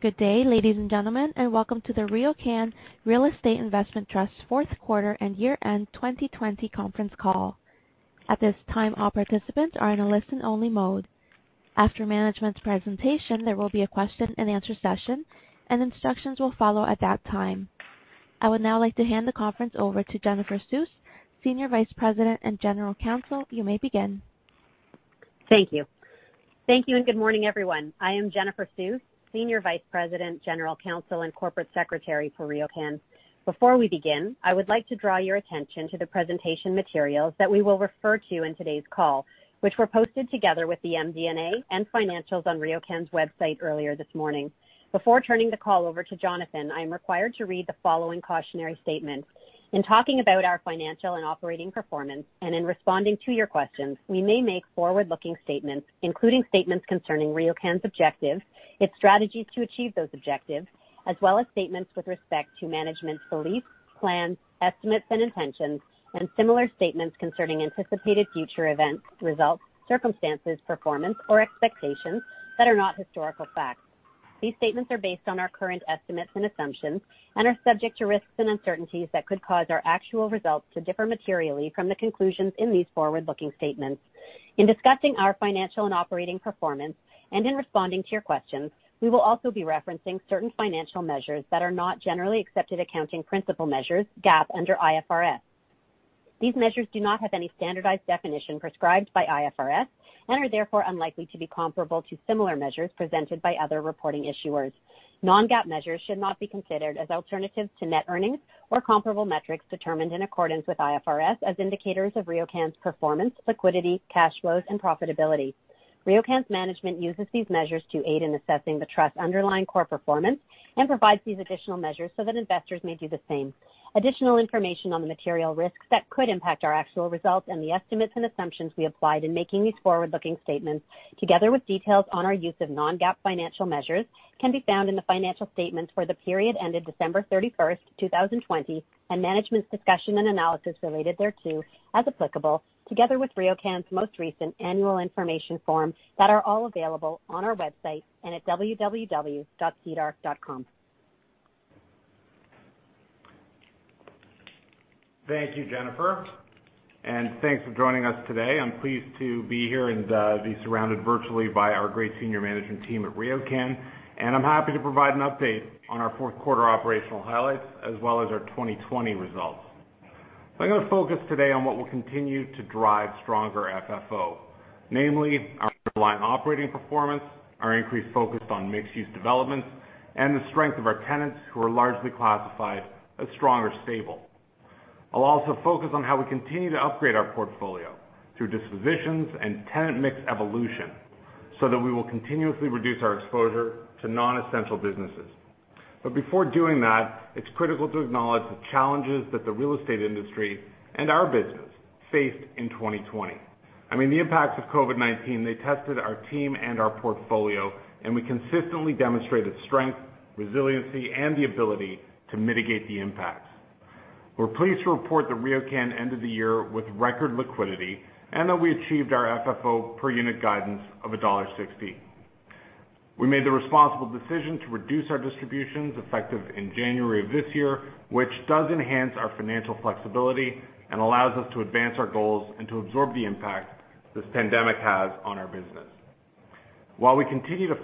Good day, ladies and gentlemen, and welcome to the RioCan Real Estate Investment Trust Q4 and Year-End 2020 Conference Call. At this time, all participants are in a listen-only mode. After management's presentation, there will be a question and answer session, and instructions will follow at that time. I would now like to hand the conference over to Jennifer Suess, Senior Vice President and General Counsel. You may begin. Thank you. Thank you, and good morning, everyone. I am Jennifer Suess, Senior Vice President, General Counsel, and Corporate Secretary for RioCan. Before we begin, I would like to draw your attention to the presentation materials that we will refer to in today's call, which were posted together with the MD&A and financials on RioCan's website earlier this morning. Before turning the call over to Jonathan, I am required to read the following cautionary statement. In talking about our financial and operating performance, in responding to your questions, we may make forward-looking statements, including statements concerning RioCan's objectives, its strategies to achieve those objectives, as well as statements with respect to management's beliefs, plans, estimates, and intentions, and similar statements concerning anticipated future events, results, circumstances, performance, or expectations that are not historical facts. These statements are based on our current estimates and assumptions and are subject to risks and uncertainties that could cause our actual results to differ materially from the conclusions in these forward-looking statements. In discussing our financial and operating performance, and in responding to your questions, we will also be referencing certain financial measures that are not generally accepted accounting principle measures, GAAP, under IFRS. These measures do not have any standardized definition prescribed by IFRS and are therefore unlikely to be comparable to similar measures presented by other reporting issuers. Non-GAAP measures should not be considered as alternatives to net earnings or comparable metrics determined in accordance with IFRS as indicators of RioCan's performance, liquidity, cash flows, and profitability. RioCan's management uses these measures to aid in assessing the trust's underlying core performance and provides these additional measures so that investors may do the same. Additional information on the material risks that could impact our actual results and the estimates and assumptions we applied in making these forward-looking statements, together with details on our use of non-GAAP financial measures, can be found in the financial statements for the period ended December 31st, 2020, and management's discussion and analysis related thereto, as applicable, together with RioCan's most recent annual information form that are all available on our website and at www.sedar.com. Thank you, Jennifer. Thanks for joining us today. I'm pleased to be here and be surrounded virtually by our great senior management team at RioCan. I'm happy to provide an update on our fourth quarter operational highlights as well as our 2020 results. I'm going to focus today on what will continue to drive stronger FFO, namely our underlying operating performance, our increased focus on mixed-use developments, and the strength of our tenants, who are largely classified as strong or stable. I'll also focus on how we continue to upgrade our portfolio through dispositions and tenant mix evolution so that we will continuously reduce our exposure to non-essential businesses. Before doing that, it's critical to acknowledge the challenges that the real estate industry and our business faced in 2020. I mean, the impacts of COVID-19, they tested our team and our portfolio. We consistently demonstrated strength, resiliency, and the ability to mitigate the impacts. We're pleased to report that RioCan ended the year with record liquidity. We achieved our FFO per unit guidance of dollar 1.60. We made the responsible decision to reduce our distributions effective in January of this year, which does enhance our financial flexibility and allows us to advance our goals and to absorb the impact this pandemic has on our business. While we continue to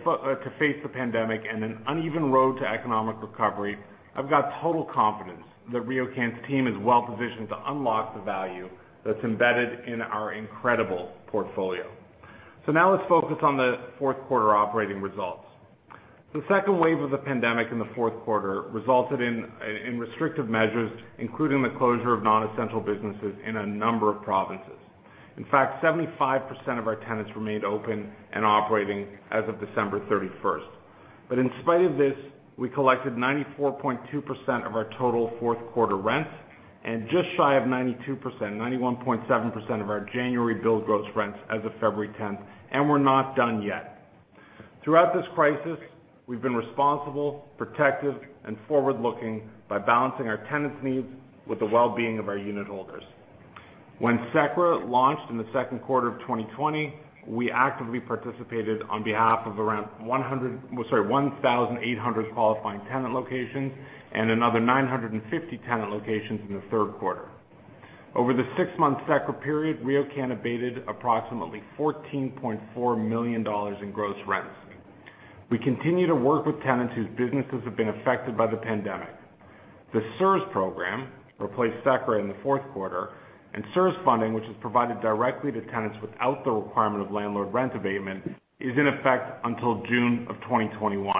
face the pandemic and an uneven road to economic recovery, I've got total confidence that RioCan's team is well-positioned to unlock the value that's embedded in our incredible portfolio. Now let's focus on the fourth quarter operating results. The second wave of the pandemic in the Q4 resulted in restrictive measures, including the closure of non-essential businesses in a number of provinces. In fact, 75% of our tenants remained open and operating as of December 31st. In spite of this, we collected 94.2% of our total fourth quarter rents and just shy of 92%, 91.7% of our January billed gross rents as of February 10th, and we're not done yet. Throughout this crisis, we've been responsible, protective, and forward-looking by balancing our tenants' needs with the well-being of our unitholders. When CECRA launched in the Q2 of 2020, we actively participated on behalf of around 1,800 qualifying tenant locations and another 950 tenant locations in the Q3. Over the six-month CECRA period, RioCan abated approximately 14.4 million dollars in gross rents. We continue to work with tenants whose businesses have been affected by the pandemic. The CERS program replaced CECRA in the Q4. CERS funding, which was provided directly to tenants without the requirement of landlord rent abatement, is in effect until June of 2021.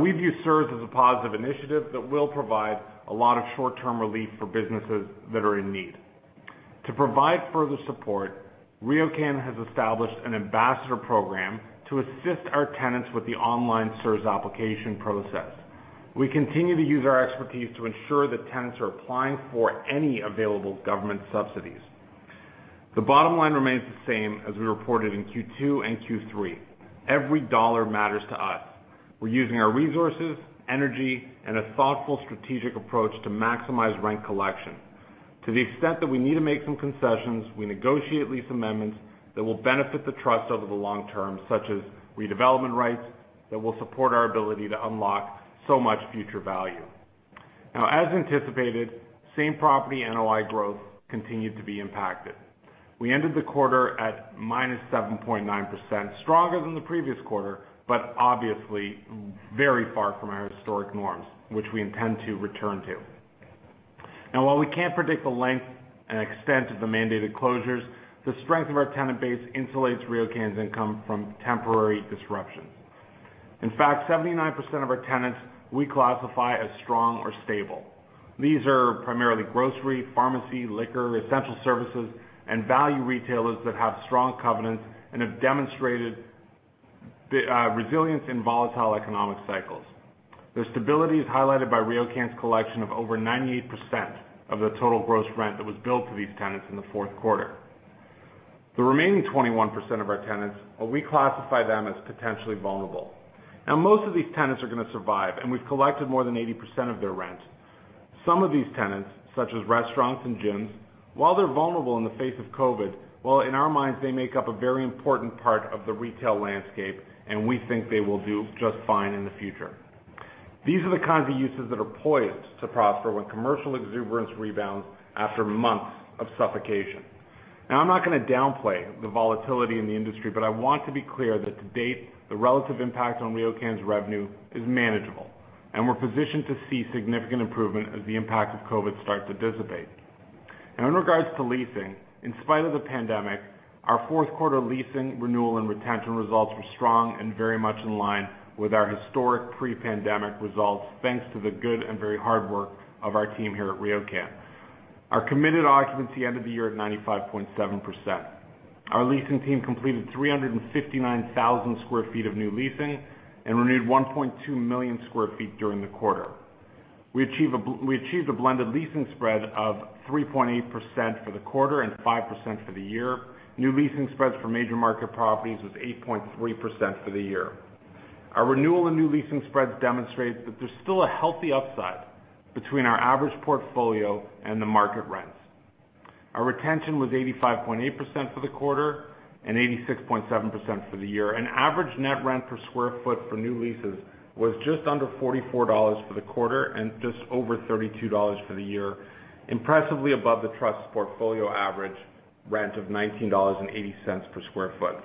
We view CERS as a positive initiative that will provide a lot of short-term relief for businesses that are in need. To provide further support, RioCan has established an ambassador program to assist our tenants with the online CERS application process. We continue to use our expertise to ensure that tenants are applying for any available government subsidies. The bottom line remains the same as we reported in Q2 and Q3. Every dollar matters to us. We're using our resources, energy, and a thoughtful strategic approach to maximize rent collection. To the extent that we need to make some concessions, we negotiate lease amendments that will benefit the trust over the long term, such as redevelopment rights that will support our ability to unlock so much future value. As anticipated, Same Property NOI growth continued to be impacted. We ended the quarter at -7.9%, stronger than the previous quarter, but obviously very far from our historic norms, which we intend to return to. While we can't predict the length and extent of the mandated closures, the strength of our tenant base insulates RioCan's income from temporary disruptions. In fact, 79% of our tenants we classify as strong or stable. These are primarily grocery, pharmacy, liquor, essential services, and value retailers that have strong covenants and have demonstrated resilience in volatile economic cycles. Their stability is highlighted by RioCan's collection of over 98% of the total gross rent that was billed to these tenants in the fourth quarter. The remaining 21% of our tenants, we classify them as potentially vulnerable. Most of these tenants are going to survive, and we've collected more than 80% of their rent. Some of these tenants, such as restaurants and gyms, while they're vulnerable in the face of COVID, well, in our minds, they make up a very important part of the retail landscape, and we think they will do just fine in the future. These are the kinds of uses that are poised to prosper when commercial exuberance rebounds after months of suffocation. I'm not going to downplay the volatility in the industry, but I want to be clear that to date, the relative impact on RioCan's revenue is manageable, and we're positioned to see significant improvement as the impact of COVID starts to dissipate. In regards to leasing, in spite of the pandemic, our fourth quarter leasing renewal and retention results were strong and very much in line with our historic pre-pandemic results, thanks to the good and very hard work of our team here at RioCan. Our committed occupancy ended the year at 95.7%. Our leasing team completed 359,000 sq ft of new leasing and renewed 1.2 million sq ft during the quarter. We achieved a blended leasing spread of 3.8% for the quarter and 5% for the year. New leasing spreads for major market properties was 8.3% for the year. Our renewal and new leasing spreads demonstrate that there's still a healthy upside between our average portfolio and the market rents. Our retention was 85.8% for the quarter and 86.7% for the year. Average net rent per square foot for new leases was just under 44 dollars for the quarter and just over 32 dollars for the year, impressively above the trust portfolio average rent of 19.80 dollars per square foot.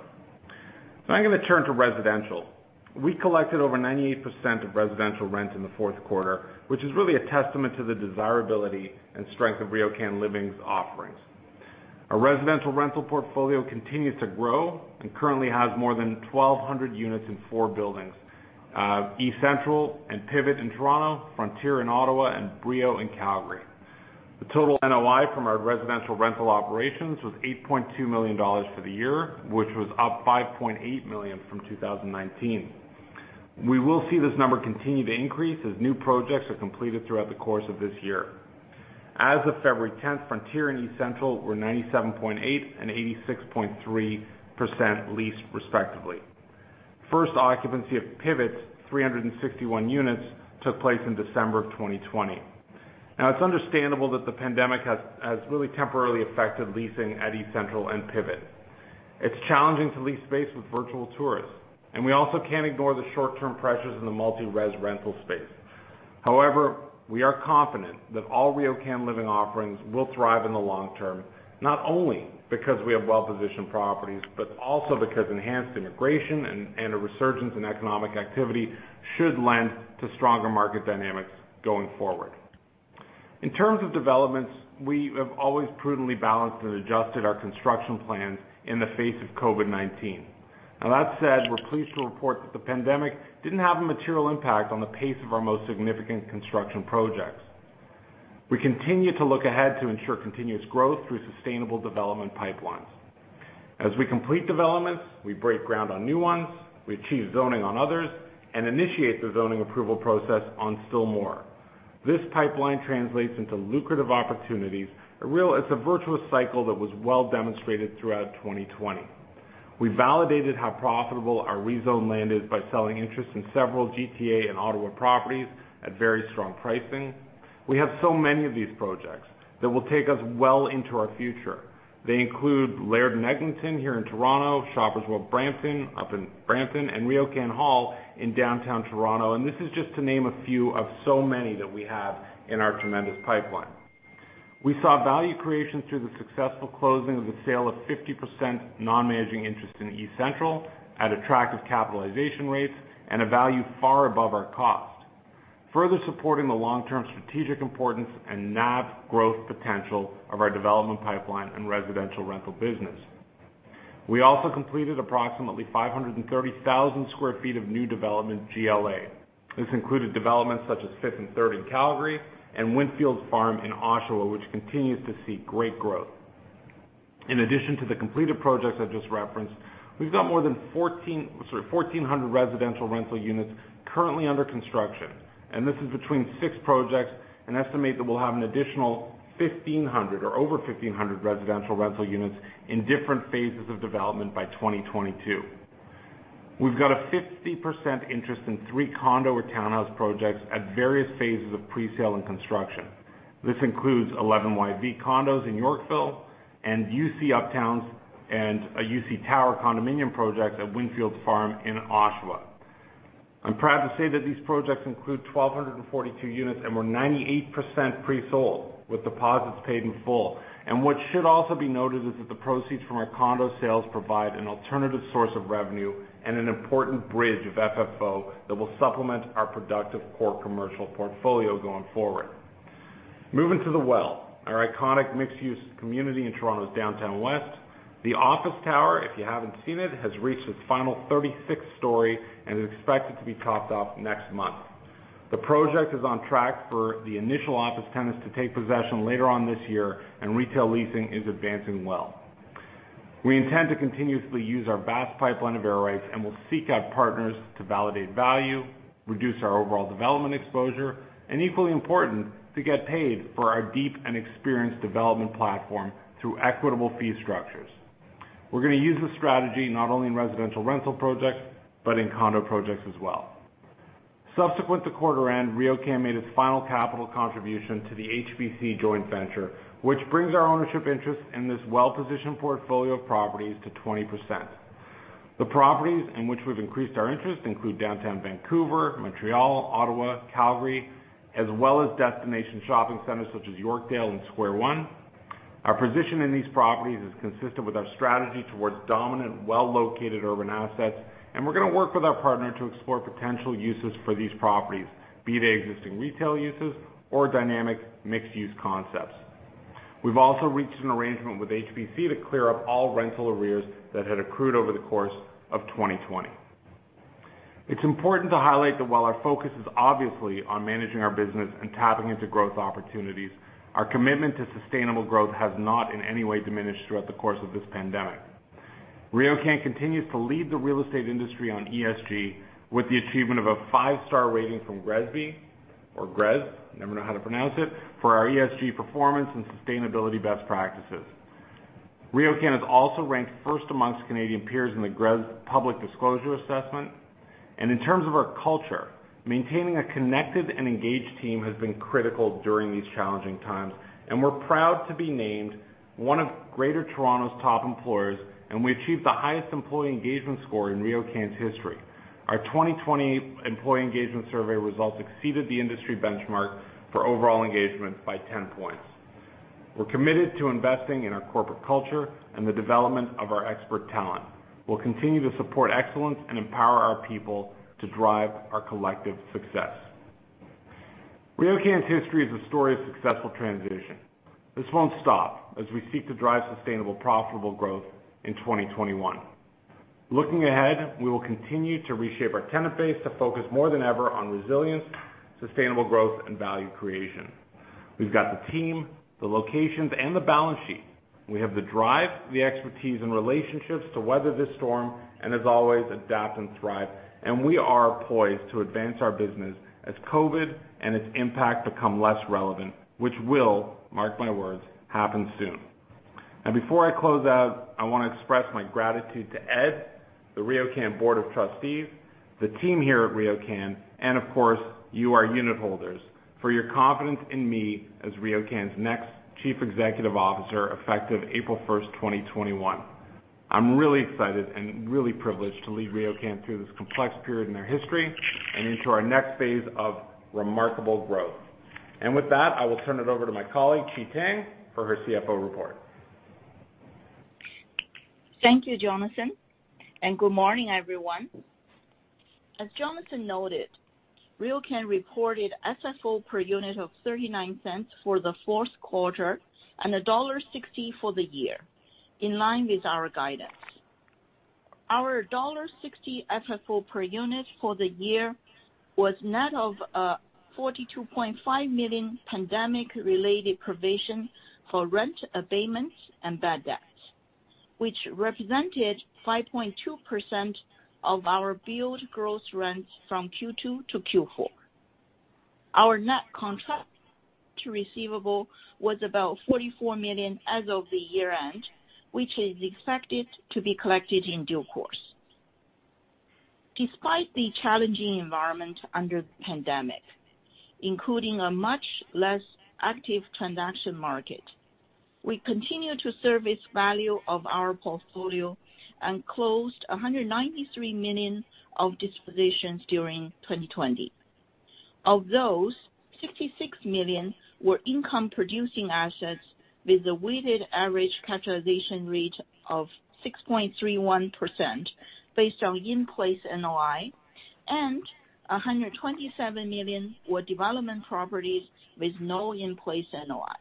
Now I'm going to turn to residential. We collected over 98% of residential rent in the fourth quarter, which is really a testament to the desirability and strength of RioCan Living's offerings. Our residential rental portfolio continues to grow and currently has more than 1,200 units in four buildings, eCentral and Pivot in Toronto, Frontier in Ottawa, and Brio in Calgary. The total NOI from our residential rental operations was 8.2 million dollars for the year, which was up 5.8 million from 2019. We will see this number continue to increase as new projects are completed throughout the course of this year. As of February 10th, Frontier and eCentral were 97.8% and 86.3% leased, respectively. First occupancy of Pivot, 361 units, took place in December of 2020. It's understandable that the pandemic has really temporarily affected leasing at eCentral and Pivot. It's challenging to lease space with virtual tours, we also can't ignore the short-term pressures in the multi-res rental space. We are confident that all RioCan Living offerings will thrive in the long term, not only because we have well-positioned properties, but also because enhanced immigration and a resurgence in economic activity should lend to stronger market dynamics going forward. In terms of developments, we have always prudently balanced and adjusted our construction plans in the face of COVID-19. That said, we're pleased to report that the pandemic didn't have a material impact on the pace of our most significant construction projects. We continue to look ahead to ensure continuous growth through sustainable development pipelines. As we complete developments, we break ground on new ones, we achieve zoning on others, and initiate the zoning approval process on still more. This pipeline translates into lucrative opportunities. It's a virtuous cycle that was well demonstrated throughout 2020. We validated how profitable our rezoned land is by selling interest in several GTA and Ottawa properties at very strong pricing. We have so many of these projects that will take us well into our future. They include Laird and Eglinton here in Toronto, Shoppers World Brampton up in Brampton, and RioCan Hall in downtown Toronto. This is just to name a few of so many that we have in our tremendous pipeline. We saw value creation through the successful closing of the sale of 50% non-managing interest in eCentral at attractive capitalization rates and a value far above our cost, further supporting the long-term strategic importance and NAV growth potential of our development pipeline and residential rental business. We also completed approximately 530,000 sq ft of new development GLA. This included developments such as 5th & THIRD in Calgary and Windfields Farm in Oshawa, which continues to see great growth. In addition to the completed projects I just referenced, we've got more than 1,400 residential rental units currently under construction, and this is between six projects. An estimate that we'll have an additional 1,500 or over 1,500 residential rental units in different phases of development by 2022. We've got a 50% interest in three condo or townhouse projects at various phases of pre-sale and construction. This includes 11YV condos in Yorkville and UC Uptown, a U.C. Tower condominium project at Windfields Farm in Oshawa. I'm proud to say that these projects include 1,242 units and were 98% pre-sold with deposits paid in full. What should also be noted is that the proceeds from our condo sales provide an alternative source of revenue and an important bridge of FFO that will supplement our productive core commercial portfolio going forward. Moving to The Well, our iconic mixed-use community in Toronto's Downtown West. The office tower, if you haven't seen it, has reached its final 36 story and is expected to be topped off next month. The project is on track for the initial office tenants to take possession later on this year, and retail leasing is advancing well. We intend to continuously use our vast pipeline of air rights and will seek out partners to validate value, reduce our overall development exposure, and equally important, to get paid for our deep and experienced development platform through equitable fee structures. We're going to use this strategy not only in residential rental projects, but in condo projects as well. Subsequent to quarter end, RioCan made its final capital contribution to the HBC joint venture, which brings our ownership interest in this well-positioned portfolio of properties to 20%. The properties in which we've increased our interest include downtown Vancouver, Montreal, Ottawa, Calgary, as well as destination shopping centers such as Yorkdale and Square One. Our position in these properties is consistent with our strategy towards dominant, well-located urban assets, and we're going to work with our partner to explore potential uses for these properties, be they existing retail uses or dynamic mixed-use concepts. We've also reached an arrangement with HBC to clear up all rental arrears that had accrued over the course of 2020. It's important to highlight that while our focus is obviously on managing our business and tapping into growth opportunities, our commitment to sustainable growth has not in any way diminished throughout the course of this pandemic. RioCan continues to lead the real estate industry on ESG with the achievement of a five-star rating from GRESB or GRES, never know how to pronounce it, for our ESG performance and sustainability best practices. RioCan is also ranked first amongst Canadian peers in the GRES public disclosure assessment. In terms of our culture, maintaining a connected and engaged team has been critical during these challenging times, and we're proud to be named one of Greater Toronto's top employers, and we achieved the highest employee engagement score in RioCan's history. Our 2020 employee engagement survey results exceeded the industry benchmark for overall engagement by 10 points. We're committed to investing in our corporate culture and the development of our expert talent. We'll continue to support excellence and empower our people to drive our collective success. RioCan's history is a story of successful transition. This won't stop as we seek to drive sustainable, profitable growth in 2021. Looking ahead, we will continue to reshape our tenant base to focus more than ever on resilience, sustainable growth, and value creation. We've got the team, the locations, and the balance sheet. We have the drive, the expertise, and relationships to weather this storm and as always, adapt and thrive. We are poised to advance our business as COVID and its impact become less relevant, which will, mark my words, happen soon. Now, before I close out, I want to express my gratitude to Ed, the RioCan Board of Trustees, the team here at RioCan, and of course, you, our unit holders, for your confidence in me as RioCan's next Chief Executive Officer, effective April 1st, 2021. I'm really excited and really privileged to lead RioCan through this complex period in their history and into our next phase of remarkable growth. With that, I will turn it over to my colleague, Qi Tang, for her CFO report. Thank you, Jonathan. Good morning, everyone. As Jonathan noted, RioCan reported FFO per unit of 0.39 for the Q4 and dollar 1.60 for the year, in line with our guidance. Our dollar 1.60 FFO per unit for the year was net of a 42.5 million pandemic-related provision for rent abatements and bad debts, which represented 5.2% of our billed gross rents from Q2 to Q4. Our net contract receivable was about 44 million as of the year-end, which is expected to be collected in due course. Despite the challenging environment under the pandemic, including a much less active transaction market, we continued to surface value of our portfolio and closed 193 million of dispositions during 2020. Of those, 66 million were income-producing assets with a weighted average capitalization rate of 6.31% based on in-place NOI, and 127 million were development properties with no in-place NOI.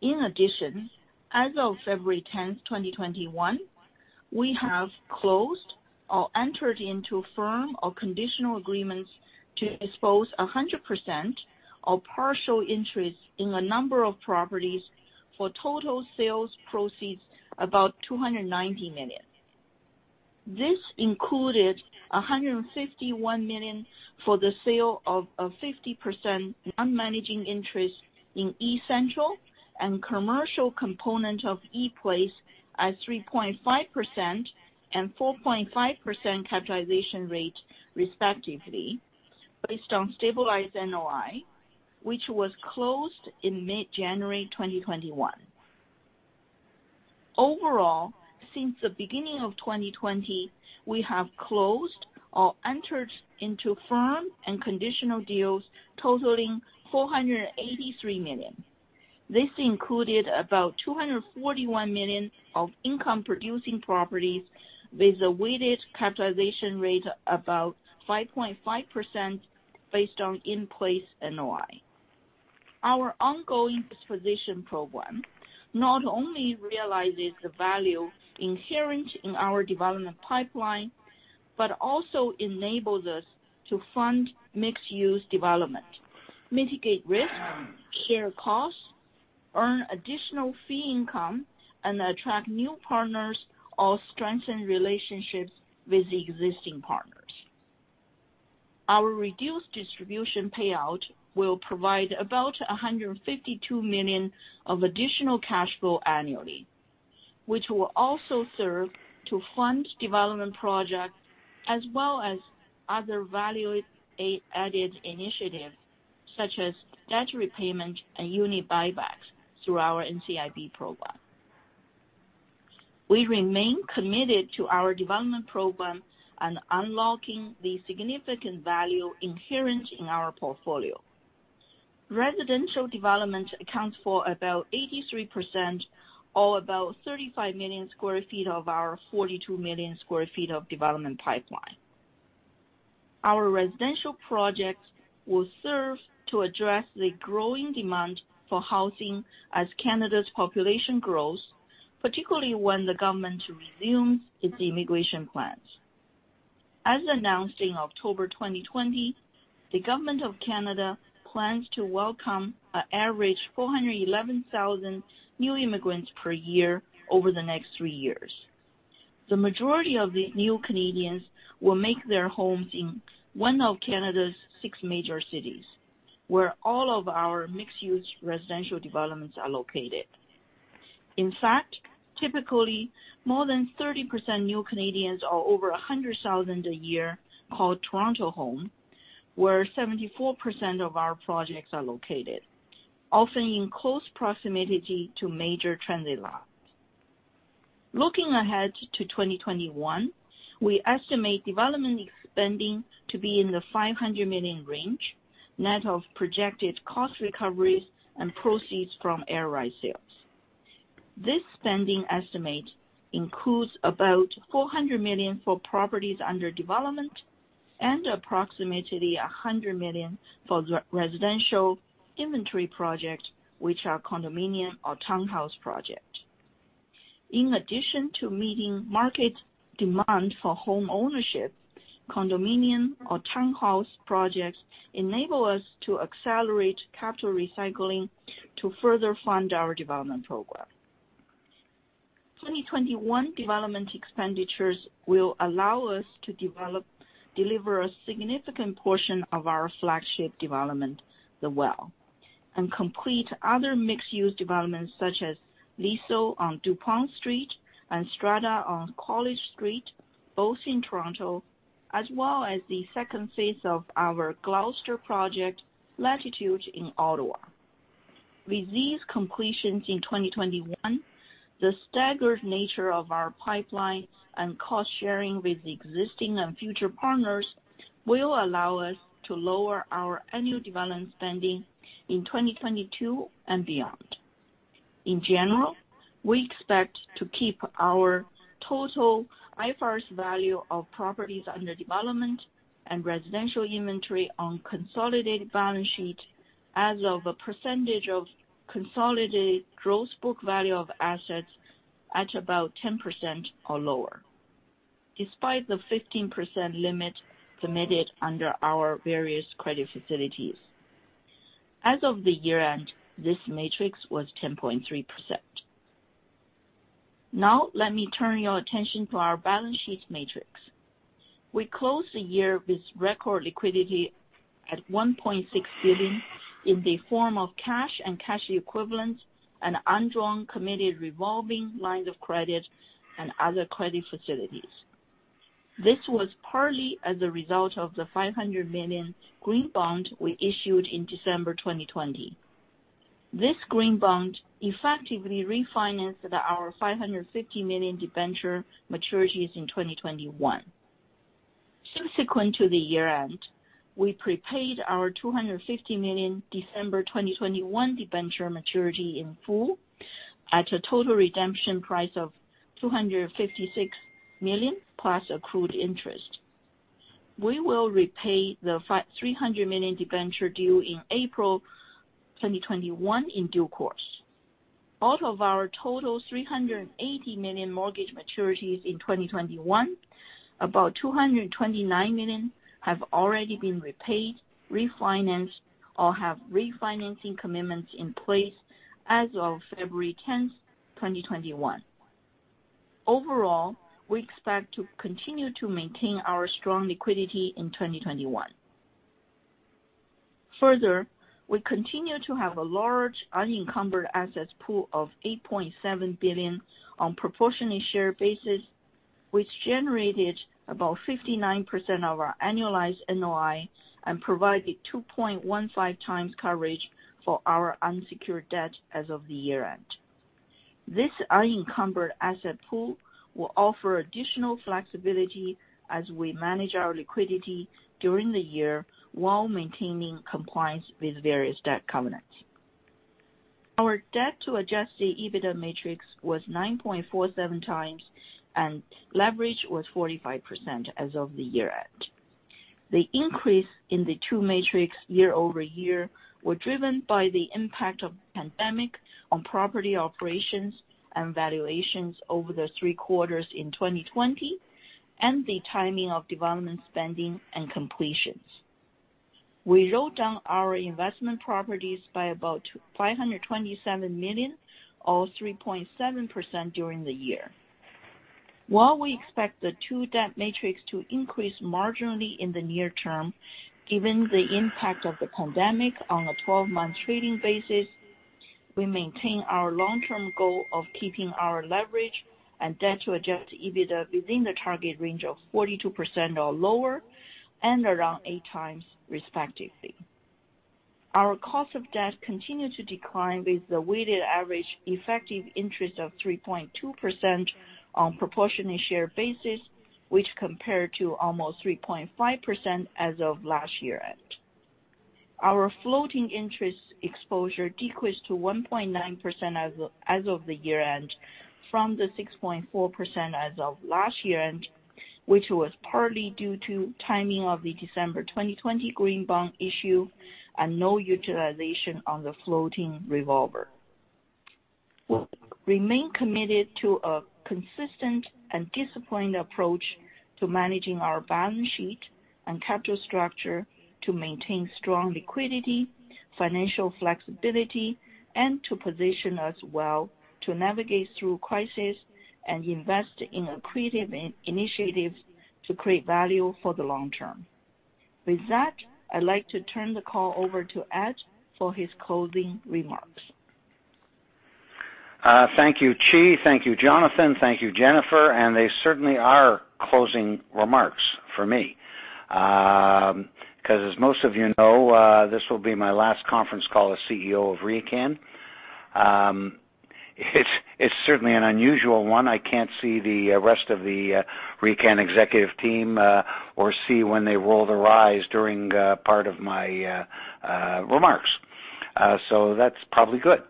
In addition, as of February 10th, 2021, we have closed or entered into firm or conditional agreements to dispose 100% of partial interest in a number of properties for total sales proceeds about 290 million. This included 151 million for the sale of a 50% non-managing interest in eCentral and commercial component of ePlace at 3.5% and 4.5% capitalization rate, respectively, based on stabilized NOI, which was closed in mid-January 2021. Overall, since the beginning of 2020, we have closed or entered into firm and conditional deals totaling 483 million. This included about 241 million of income-producing properties with a weighted capitalization rate about 5.5% based on in-place NOI. Our ongoing disposition program not only realizes the value inherent in our development pipeline, but also enables us to fund mixed-use development, mitigate risk, share costs, earn additional fee income, and attract new partners or strengthen relationships with existing partners. Our reduced distribution payout will provide about 152 million of additional cash flow annually, which will also serve to fund development projects as well as other value-added initiatives, such as debt repayment and unit buybacks through our NCIB program. We remain committed to our development program and unlocking the significant value inherent in our portfolio. Residential development accounts for about 83%, or about 35 million sq ft of our 42 million sq ft of development pipeline. Our residential projects will serve to address the growing demand for housing as Canada's population grows, particularly when the Government resumes its immigration plans. As announced in October 2020, the Government of Canada plans to welcome an average 411,000 new immigrants per year over the next three years. The majority of the new Canadians will make their homes in one of Canada's six major cities, where all of our mixed-use residential developments are located. In fact, typically, more than 30% new Canadians, or over 100,000 a year, call Toronto home, where 74% of our projects are located, often in close proximity to major transit lines. Looking ahead to 2021, we estimate development spending to be in the 500 million range, net of projected cost recoveries and proceeds from air rights sales. This spending estimate includes about 400 million for properties under development and approximately 100 million for residential inventory projects, which are condominium or townhouse projects. In addition to meeting market demand for homeownership, condominium or townhouse projects enable us to accelerate capital recycling to further fund our development program. 2021 development expenditures will allow us to deliver a significant portion of our flagship development, The Well, and complete other mixed-use developments such as Litho on Dupont Street and Strada on College Street, both in Toronto, as well as the second phase of our Gloucester project, Latitude, in Ottawa. With these completions in 2021, the staggered nature of our pipeline and cost sharing with existing and future partners will allow us to lower our annual development spending in 2022 and beyond. In general, we expect to keep our total IFRS value of properties under development and residential inventory on consolidated balance sheet as of a percentage of consolidated gross book value of assets at about 10% or lower, despite the 15% limit permitted under our various credit facilities. As of the year-end, this matrix was 10.3%. Now, let me turn your attention to our balance sheet matrix. We closed the year with record liquidity at 1.6 billion in the form of cash and cash equivalents and undrawn committed revolving lines of credit and other credit facilities. This was partly as a result of the 500 million green bond we issued in December 2020. This green bond effectively refinanced our 550 million debenture maturities in 2021. Subsequent to the year-end, we prepaid our 250 million December 2021 debenture maturity in full at a total redemption price of 256 million plus accrued interest. We will repay the 300 million debenture due in April 2021 in due course. Out of our total 380 million mortgage maturities in 2021, about 229 million have already been repaid, refinanced, or have refinancing commitments in place as of February 10th, 2021. Overall, we expect to continue to maintain our strong liquidity in 2021. Further, we continue to have a large unencumbered assets pool of 8.7 billion on proportionally shared basis, which generated about 59% of our annualized NOI and provided 2.15 times coverage for our unsecured debt as of the year-end. This unencumbered asset pool will offer additional flexibility as we manage our liquidity during the year, while maintaining compliance with various debt covenants. Our debt to adjusted EBITDA metrics was 9.47 times, and leverage was 45% as of the year-end. The increase in the two metrics year-over-year were driven by the impact of pandemic on property operations and valuations over the three quarters in 2020, and the timing of development spending and completions. We wrote down our investment properties by about 527 million, or 3.7% during the year. While we expect the two debt metrics to increase marginally in the near term, given the impact of the pandemic on a 12-month trading basis, we maintain our long-term goal of keeping our leverage and debt to adjusted EBITDA within the target range of 42% or lower, and around eight times respectively. Our cost of debt continued to decline with the weighted average effective interest of 3.2% on proportionally share basis, which compared to almost 3.5% as of last year-end. Our floating interest exposure decreased to 1.9% as of the year-end from the 6.4% as of last year-end, which was partly due to timing of the December 2020 green bond issue and no utilization on the floating revolver. We remain committed to a consistent and disciplined approach to managing our balance sheet and capital structure to maintain strong liquidity, financial flexibility, and to position us well to navigate through crisis and invest in accretive initiatives to create value for the long term. With that, I'd like to turn the call over to Ed for his closing remarks. Thank you, Qi. Thank you, Jonathan. Thank you, Jennifer. They certainly are closing remarks for me. As most of you know, this will be my last conference call as CEO of RioCan. It's certainly an unusual one. I can't see the rest of the RioCan executive team or see when they roll their eyes during part of my remarks. That's probably good.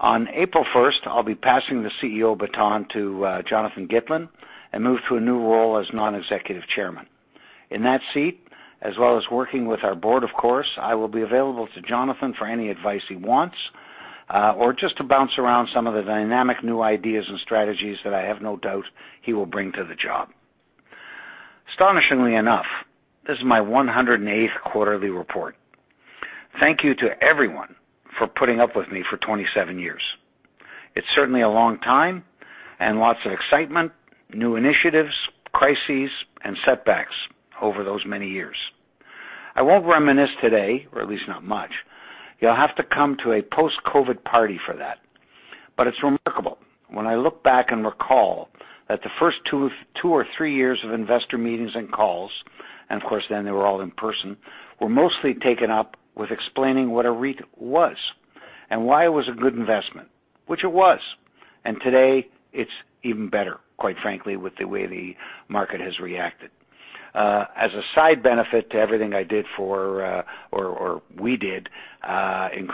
On April 1st, I'll be passing the CEO baton to Jonathan Gitlin and move to a new role as non-executive chairman. In that seat, as well as working with our board, of course, I will be available to Jonathan for any advice he wants, or just to bounce around some of the dynamic new ideas and strategies that I have no doubt he will bring to the job. Astonishingly enough, this is my 108th quarterly report. Thank you to everyone for putting up with me for 27 years. It's certainly a long time and lots of excitement, new initiatives, crises, and setbacks over those many years. I won't reminisce today, or at least not much. You'll have to come to a post-COVID party for that. It's remarkable when I look back and recall that the first two or three years of investor meetings and calls, and of course then they were all in person, were mostly taken up with explaining what a REIT was and why it was a good investment, which it was. Today it's even better, quite frankly, with the way the market has reacted. As a side benefit to everything I did for or we did in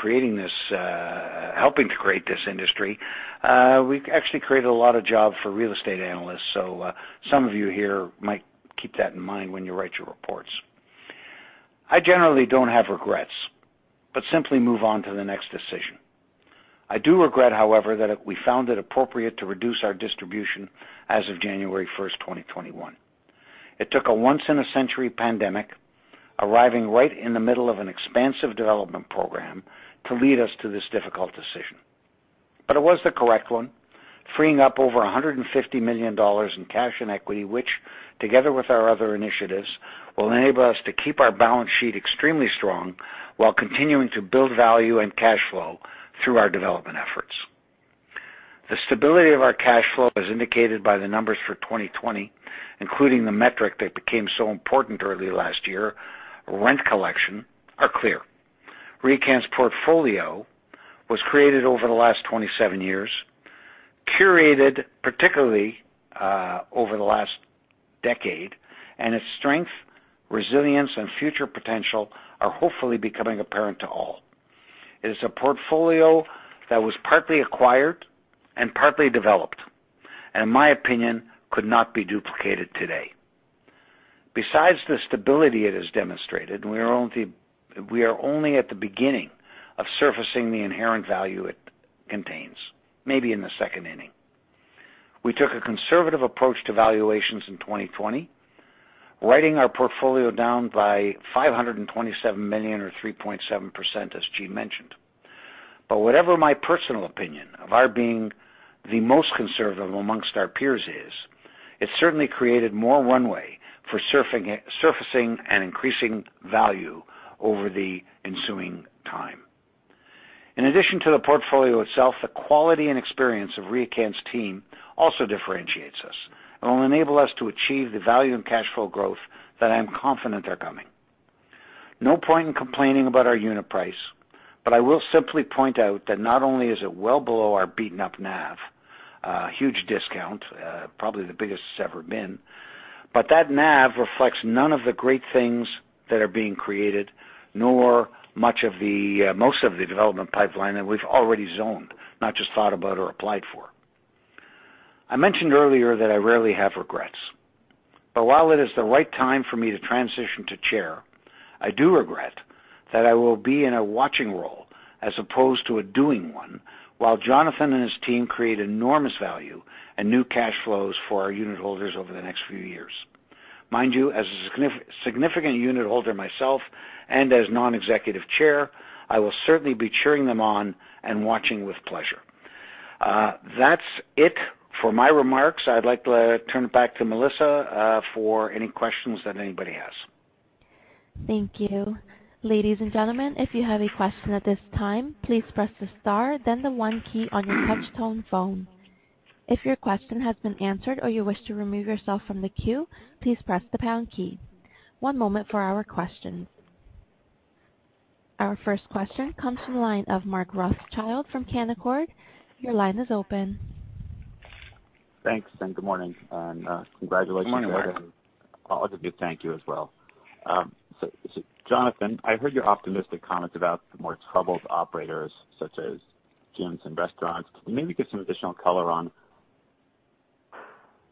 helping to create this industry, we actually created a lot of jobs for real estate analysts. Some of you here might keep that in mind when you write your reports. I generally don't have regrets, but simply move on to the next decision. I do regret, however, that we found it appropriate to reduce our distribution as of January 1st, 2021. It took a once in a century pandemic arriving right in the middle of an expansive development program to lead us to this difficult decision. It was the correct one, freeing up over 150 million dollars in cash and equity, which together with our other initiatives will enable us to keep our balance sheet extremely strong while continuing to build value and cash flow through our development efforts. The stability of our cash flow, as indicated by the numbers for 2020, including the metric that became so important early last year, rent collection, are clear. RioCan's portfolio was created over the last 27 years, curated particularly over the last decade. Its strength, resilience, and future potential are hopefully becoming apparent to all. It is a portfolio that was partly acquired and partly developed. In my opinion, could not be duplicated today. Besides the stability it has demonstrated, we are only at the beginning of surfacing the inherent value it contains, maybe in the second inning. We took a conservative approach to valuations in 2020, writing our portfolio down by 527 million or 3.7%, as Qi mentioned. Whatever my personal opinion of our being the most conservative amongst our peers is, it certainly created more runway for surfacing and increasing value over the ensuing time. In addition to the portfolio itself, the quality and experience of RioCan's team also differentiates us and will enable us to achieve the value and cash flow growth that I am confident are coming. No point in complaining about our unit price, but I will simply point out that not only is it well below our beaten-up NAV, a huge discount, probably the biggest it's ever been, but that NAV reflects none of the great things that are being created, nor most of the development pipeline that we've already zoned, not just thought about or applied for. I mentioned earlier that I rarely have regrets. While it is the right time for me to transition to chair, I do regret that I will be in a watching role as opposed to a doing one while Jonathan and his team create enormous value and new cash flows for our unit holders over the next few years. Mind you, as a significant unit holder myself and as non-executive chair, I will certainly be cheering them on and watching with pleasure. That's it for my remarks. I'd like to turn it back to Melissa, for any questions that anybody has. Thank you. Ladies and gentlemen, if you have a question at this time, please press the star then the one key on your touch tone phone. If your question has been answered or you wish to remove yourself from the queue, please press the pound key. One moment for our questions. Our first question comes from the line of Mark Rothschild from Canaccord. Your line is open. Thanks, good morning, and congratulations. Good morning, Mark. I'll give you thank you as well. Jonathan, I heard your optimistic comments about the more troubled operators such as gyms and restaurants. Can you maybe give some additional color on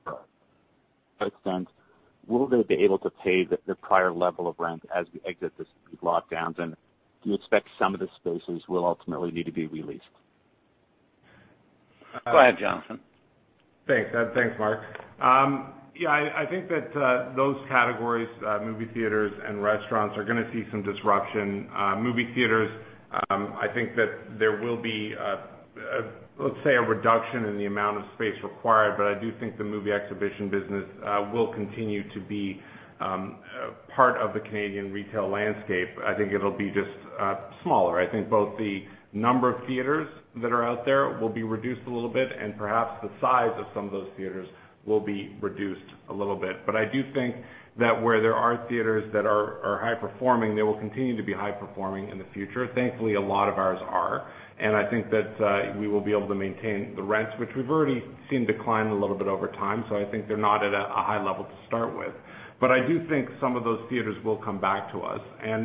what extent will they be able to pay the prior level of rent as we exit these lockdowns? Do you expect some of the spaces will ultimately need to be re-leased? Go ahead, Jonathan. Thanks. Thanks, Mark. Yeah, I think that those categories, movie theaters and restaurants, are going to see some disruption. Movie theaters, I think that there will be, let's say, a reduction in the amount of space required, but I do think the movie exhibition business will continue to be part of the Canadian retail landscape. I think it'll be just smaller. I think both the number of theaters that are out there will be reduced a little bit, and perhaps the size of some of those theaters will be reduced a little bit. I do think that where there are theaters that are high-performing, they will continue to be high-performing in the future. Thankfully, a lot of ours are, and I think that we will be able to maintain the rents, which we've already seen decline a little bit over time. I think they're not at a high level to start with. I do think some of those theaters will come back to us.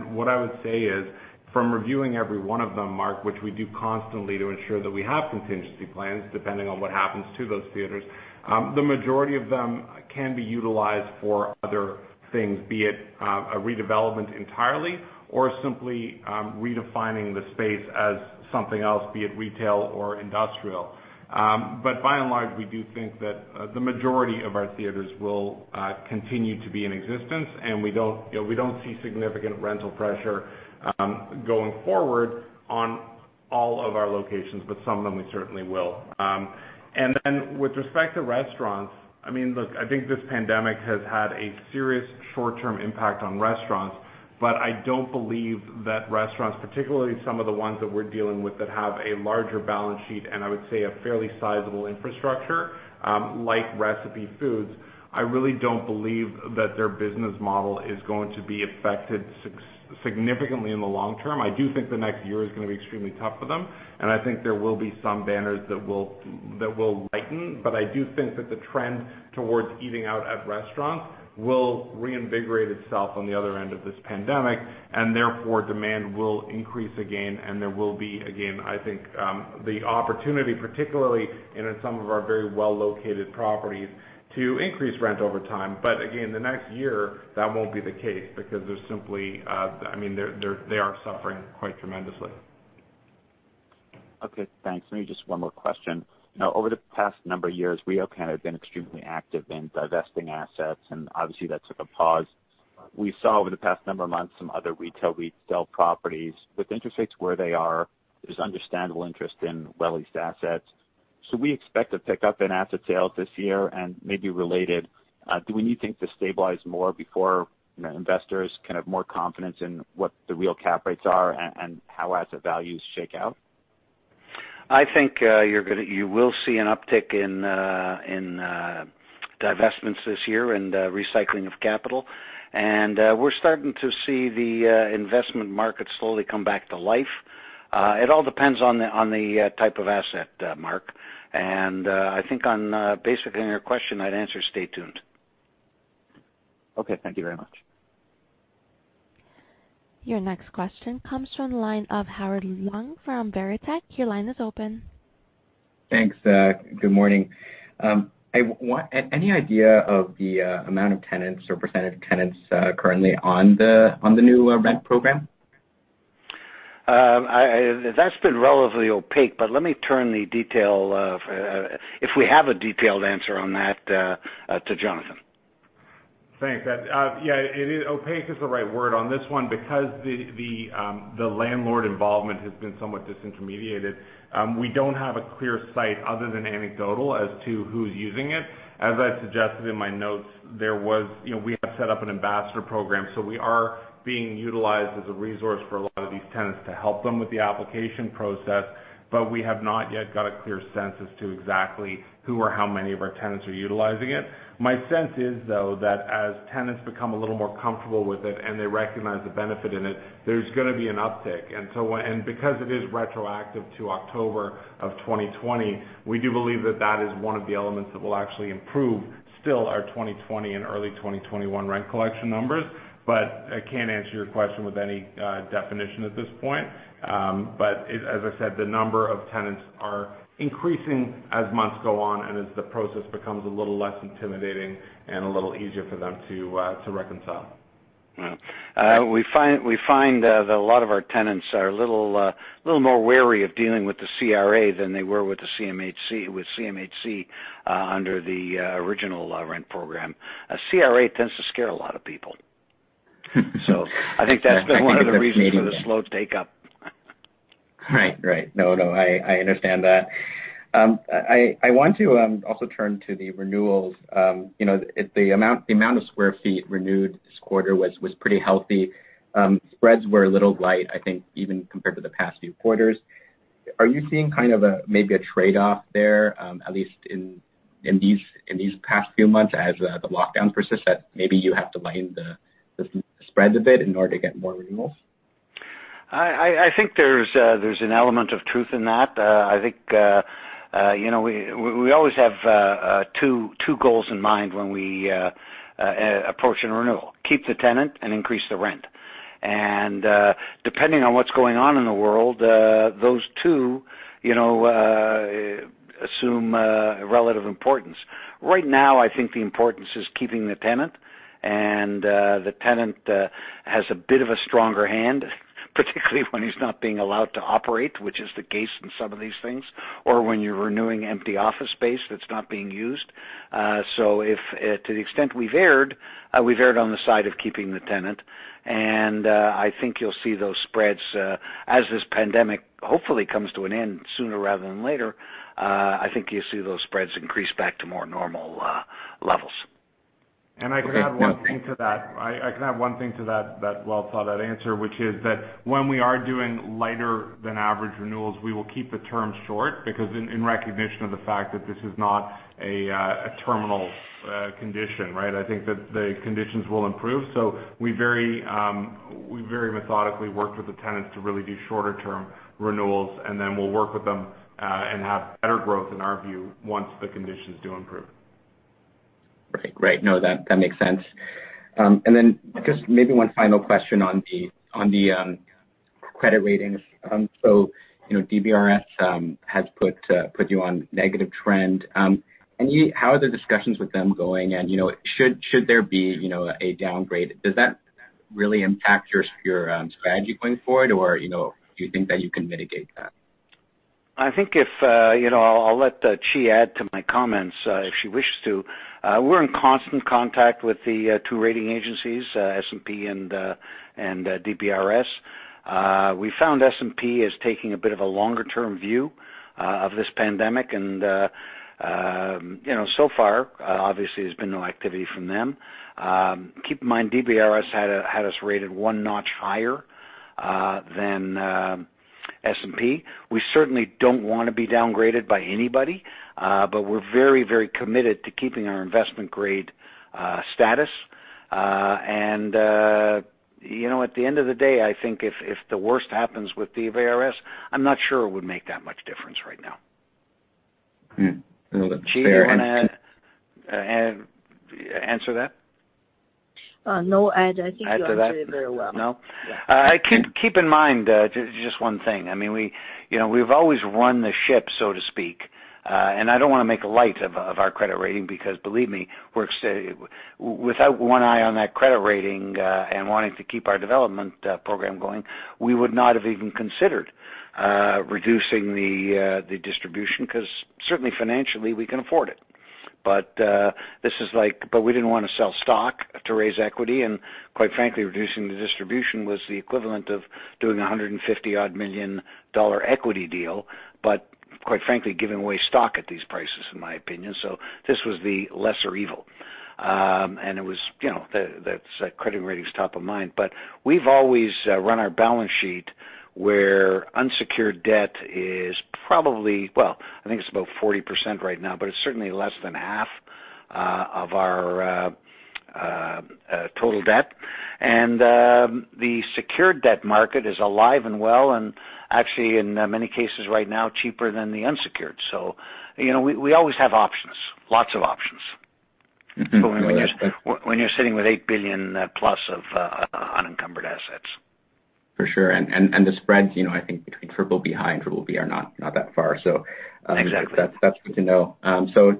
What I would say is, from reviewing every one of them, Mark, which we do constantly to ensure that we have contingency plans depending on what happens to those theaters, the majority of them can be utilized for other things, be it a redevelopment entirely or simply redefining the space as something else, be it retail or industrial. By and large, we do think that the majority of our theaters will continue to be in existence, and we don't see significant rental pressure going forward on all of our locations, but some of them we certainly will. Then with respect to restaurants, look, I think this pandemic has had a serious short-term impact on restaurants, but I don't believe that restaurants, particularly some of the ones that we're dealing with that have a larger balance sheet and I would say a fairly sizable infrastructure, like Recipe Unlimited, I really don't believe that their business model is going to be affected significantly in the long term. I do think the next year is going to be extremely tough for them, and I think there will be some banners that will lighten. I do think that the trend towards eating out at restaurants will reinvigorate itself on the other end of this pandemic, and therefore demand will increase again, and there will be, again, I think, the opportunity, particularly in some of our very well-located properties, to increase rent over time. Again, the next year, that won't be the case because they are suffering quite tremendously. Okay, thanks. Maybe just one more question. Over the past number of years, RioCan had been extremely active in divesting assets, and obviously that took a pause. We saw over the past number of months some other retail REITs sell properties. With interest rates where they are, there's understandable interest in well-leased assets. We expect a pickup in asset sales this year and maybe related, do we need things to stabilize more before investors can have more confidence in what the real cap rates are and how asset values shake out? I think you will see an uptick in divestments this year and recycling of capital. We're starting to see the investment market slowly come back to life. It all depends on the type of asset, Mark. I think on basically your question, I'd answer, stay tuned. Okay. Thank you very much. Your next question comes from the line of Howard Leung from Veritas Investment Research. Your line is open. Thanks. Good morning. Any idea of the amount of tenants or percentage of tenants currently on the new rent program? That's been relatively opaque, but let me turn the detail of, if we have a detailed answer on that, to Jonathan. Thanks. Yeah, opaque is the right word on this one because the landlord involvement has been somewhat disintermediated. We don't have a clear sight, other than anecdotal, as to who's using it. As I suggested in my notes, we have set up an ambassador program. We are being utilized as a resource for a lot of these tenants to help them with the application process, but we have not yet got a clear sense as to exactly who or how many of our tenants are utilizing it. My sense is, though, that as tenants become a little more comfortable with it and they recognize the benefit in it, there's going to be an uptick. Because it is retroactive to October of 2020, we do believe that that is one of the elements that will actually improve still our 2020 and early 2021 rent collection numbers. I can't answer your question with any definition at this point. As I said, the number of tenants are increasing as months go on and as the process becomes a little less intimidating and a little easier for them to reconcile. We find that a lot of our tenants are a little more wary of dealing with the CRA than they were with CMHC under the original rent program. CRA tends to scare a lot of people. Yeah. I think that's been one of the reasons for the slow take-up. No, I understand that. I want to also turn to the renewals. The amount of square feet renewed this quarter was pretty healthy. Spreads were a little light, I think, even compared to the past few quarters. Are you seeing kind of maybe a trade-off there, at least in these past few months as the lockdown persists, that maybe you have to widen the spread a bit in order to get more renewals? I think there's an element of truth in that. I think we always have two goals in mind when we approach a renewal: keep the tenant and increase the rent. Depending on what's going on in the world, those two assume a relative importance. Right now, I think the importance is keeping the tenant, and the tenant has a bit of a stronger hand, particularly when he's not being allowed to operate, which is the case in some of these things, or when you're renewing empty office space that's not being used. To the extent we've erred, we've erred on the side of keeping the tenant, and I think you'll see those spreads as this pandemic hopefully comes to an end sooner rather than later. I think you'll see those spreads increase back to more normal levels. Okay. I can add one thing to that well-thought-out answer, which is that when we are doing lighter than average renewals, we will keep the term short, because in recognition of the fact that this is not a terminal condition. I think that the conditions will improve. We very methodically worked with the tenants to really do shorter-term renewals, and then we'll work with them and have better growth, in our view, once the conditions do improve. Perfect. Right. No, that makes sense. Just maybe one final question on the credit ratings. DBRS has put you on negative trend. How are the discussions with them going? Should there be a downgrade, does that really impact your strategy going forward? Do you think that you can mitigate that? I'll let Qi add to my comments, if she wishes to. We're in constant contact with the two rating agencies, S&P and DBRS. We found S&P is taking a bit of a longer-term view of this pandemic. So far, obviously, there's been no activity from them. Keep in mind, DBRS had us rated one notch higher than S&P. We certainly don't want to be downgraded by anybody. We're very committed to keeping our investment-grade status. At the end of the day, I think if the worst happens with DBRS, I'm not sure it would make that much difference right now. No, that's fair. Qi, you want to answer that? No, Ed, I think you answered it very well. No. Keep in mind just one thing. We've always run the ship, so to speak. I don't want to make light of our credit rating, because believe me, without one eye on that credit rating and wanting to keep our development program going, we would not have even considered reducing the distribution, because certainly financially, we can afford it. We didn't want to sell stock to raise equity, and quite frankly, reducing the distribution was the equivalent of doing 150-odd million dollar equity deal, but quite frankly, giving away stock at these prices, in my opinion. This was the lesser evil. That credit rating's top of mind. We've always run our balance sheet where unsecured debt is probably, well, I think it's about 40% right now, but it's certainly less than half of our total debt. The secured debt market is alive and well, and actually in many cases right now, cheaper than the unsecured. We always have options, lots of options. When you're sitting with 8 billion-plus of unencumbered assets. For sure. The spreads, I think between BBB High and BBB are not that far. Exactly. That's good to know.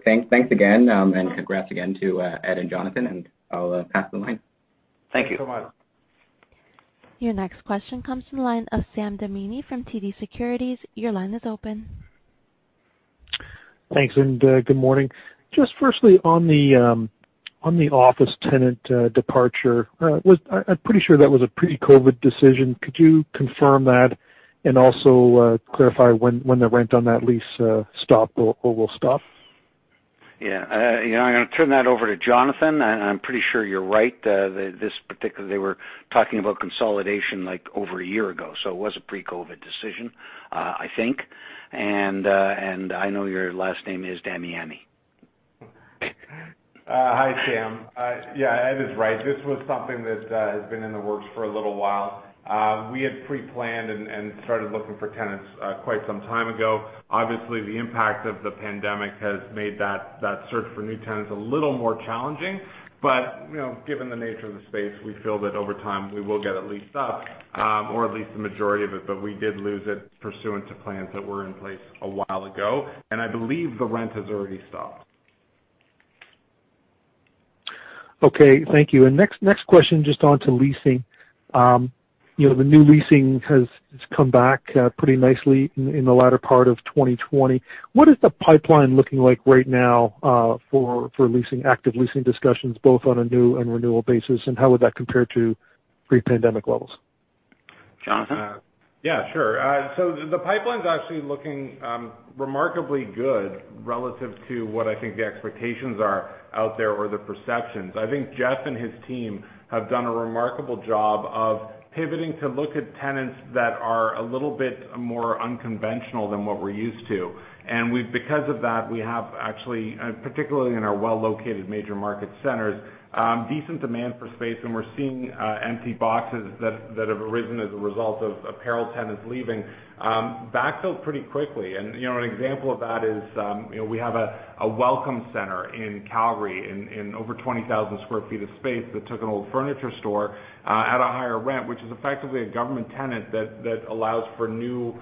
Thanks again, and congrats again to Ed and Jonathan, and I'll pass the line. Thank you. You're welcome. Your next question comes from the line of Sam Damiani from TD Securities. Your line is open. Thanks. Good morning. Just firstly on the office tenant departure, I am pretty sure that was a pre-COVID decision. Could you confirm that and also clarify when the rent on that lease will stop? Yeah. I'm going to turn that over to Jonathan. I'm pretty sure you're right. They were talking about consolidation over a year ago. It was a pre-COVID decision, I think. I know your last name is Damiani. Hi, Sam. Yeah, Ed is right. This was something that has been in the works for a little while. We had pre-planned and started looking for tenants quite some time ago. The impact of the pandemic has made that search for new tenants a little more challenging, but given the nature of the space, we feel that over time we will get it leased up, or at least the majority of it. We did lose it pursuant to plans that were in place a while ago, and I believe the rent has already stopped. Okay, thank you. Next question, just onto leasing. The new leasing has come back pretty nicely in the latter part of 2020. What is the pipeline looking like right now for active leasing discussions, both on a new and renewal basis, and how would that compare to pre-pandemic levels? Jonathan? The pipeline's actually looking remarkably good relative to what I think the expectations are out there or the perceptions. I think Jeff and his team have done a remarkable job of pivoting to look at tenants that are a little bit more unconventional than what we're used to. Because of that, we have actually, particularly in our well-located major market centers, decent demand for space. We're seeing empty boxes that have arisen as a result of apparel tenants leaving backfill pretty quickly. An example of that is we have a welcome center in Calgary in over 20,000 sq ft of space that took an old furniture store at a higher rent, which is effectively a government tenant that allows for new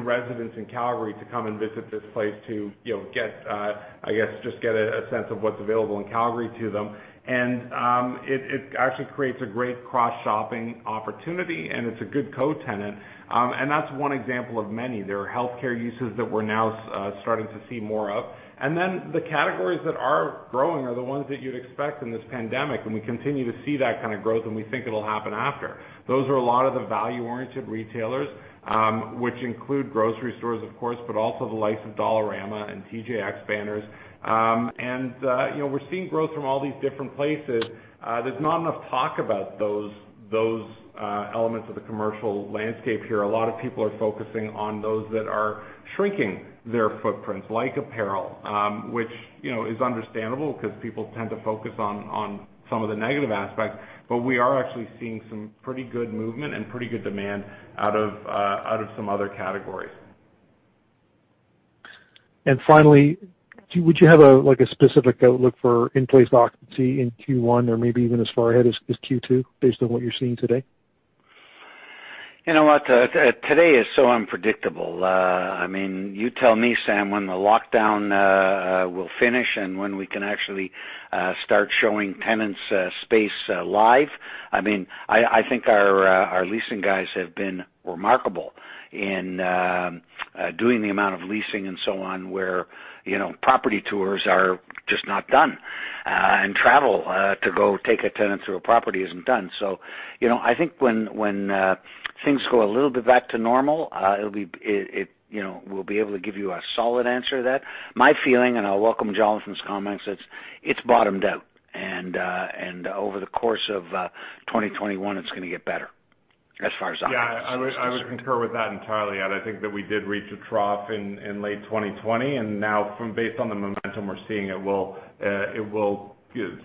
residents in Calgary to come and visit this place to get a sense of what's available in Calgary to them. It actually creates a great cross-shopping opportunity, and it's a good co-tenant. That's one example of many. There are healthcare uses that we're now starting to see more of. The categories that are growing are the ones that you'd expect in this pandemic, and we continue to see that kind of growth, and we think it'll happen after. Those are a lot of the value-oriented retailers, which include grocery stores of course, but also the likes of Dollarama and TJX banners. We're seeing growth from all these different places. There's not enough talk about those elements of the commercial landscape here. A lot of people are focusing on those that are shrinking their footprints like apparel, which is understandable because people tend to focus on some of the negative aspects. We are actually seeing some pretty good movement and pretty good demand out of some other categories. Finally, would you have a specific outlook for in-place occupancy in Q1 or maybe even as far ahead as Q2 based on what you're seeing today? You know what? Today is so unpredictable. You tell me, Sam, when the lockdown will finish and when we can actually start showing tenants space live. I think our leasing guys have been remarkable in doing the amount of leasing and so on, where property tours are just not done, and travel to go take a tenant through a property isn't done. I think when things go a little bit back to normal, we'll be able to give you a solid answer to that. My feeling, and I'll welcome Jonathan's comments, it's bottomed out. Over the course of 2021, it's going to get better as far as occupancy is concerned. Yeah, I would concur with that entirely, Ed. I think that we did reach a trough in late 2020, now based on the momentum we're seeing, it will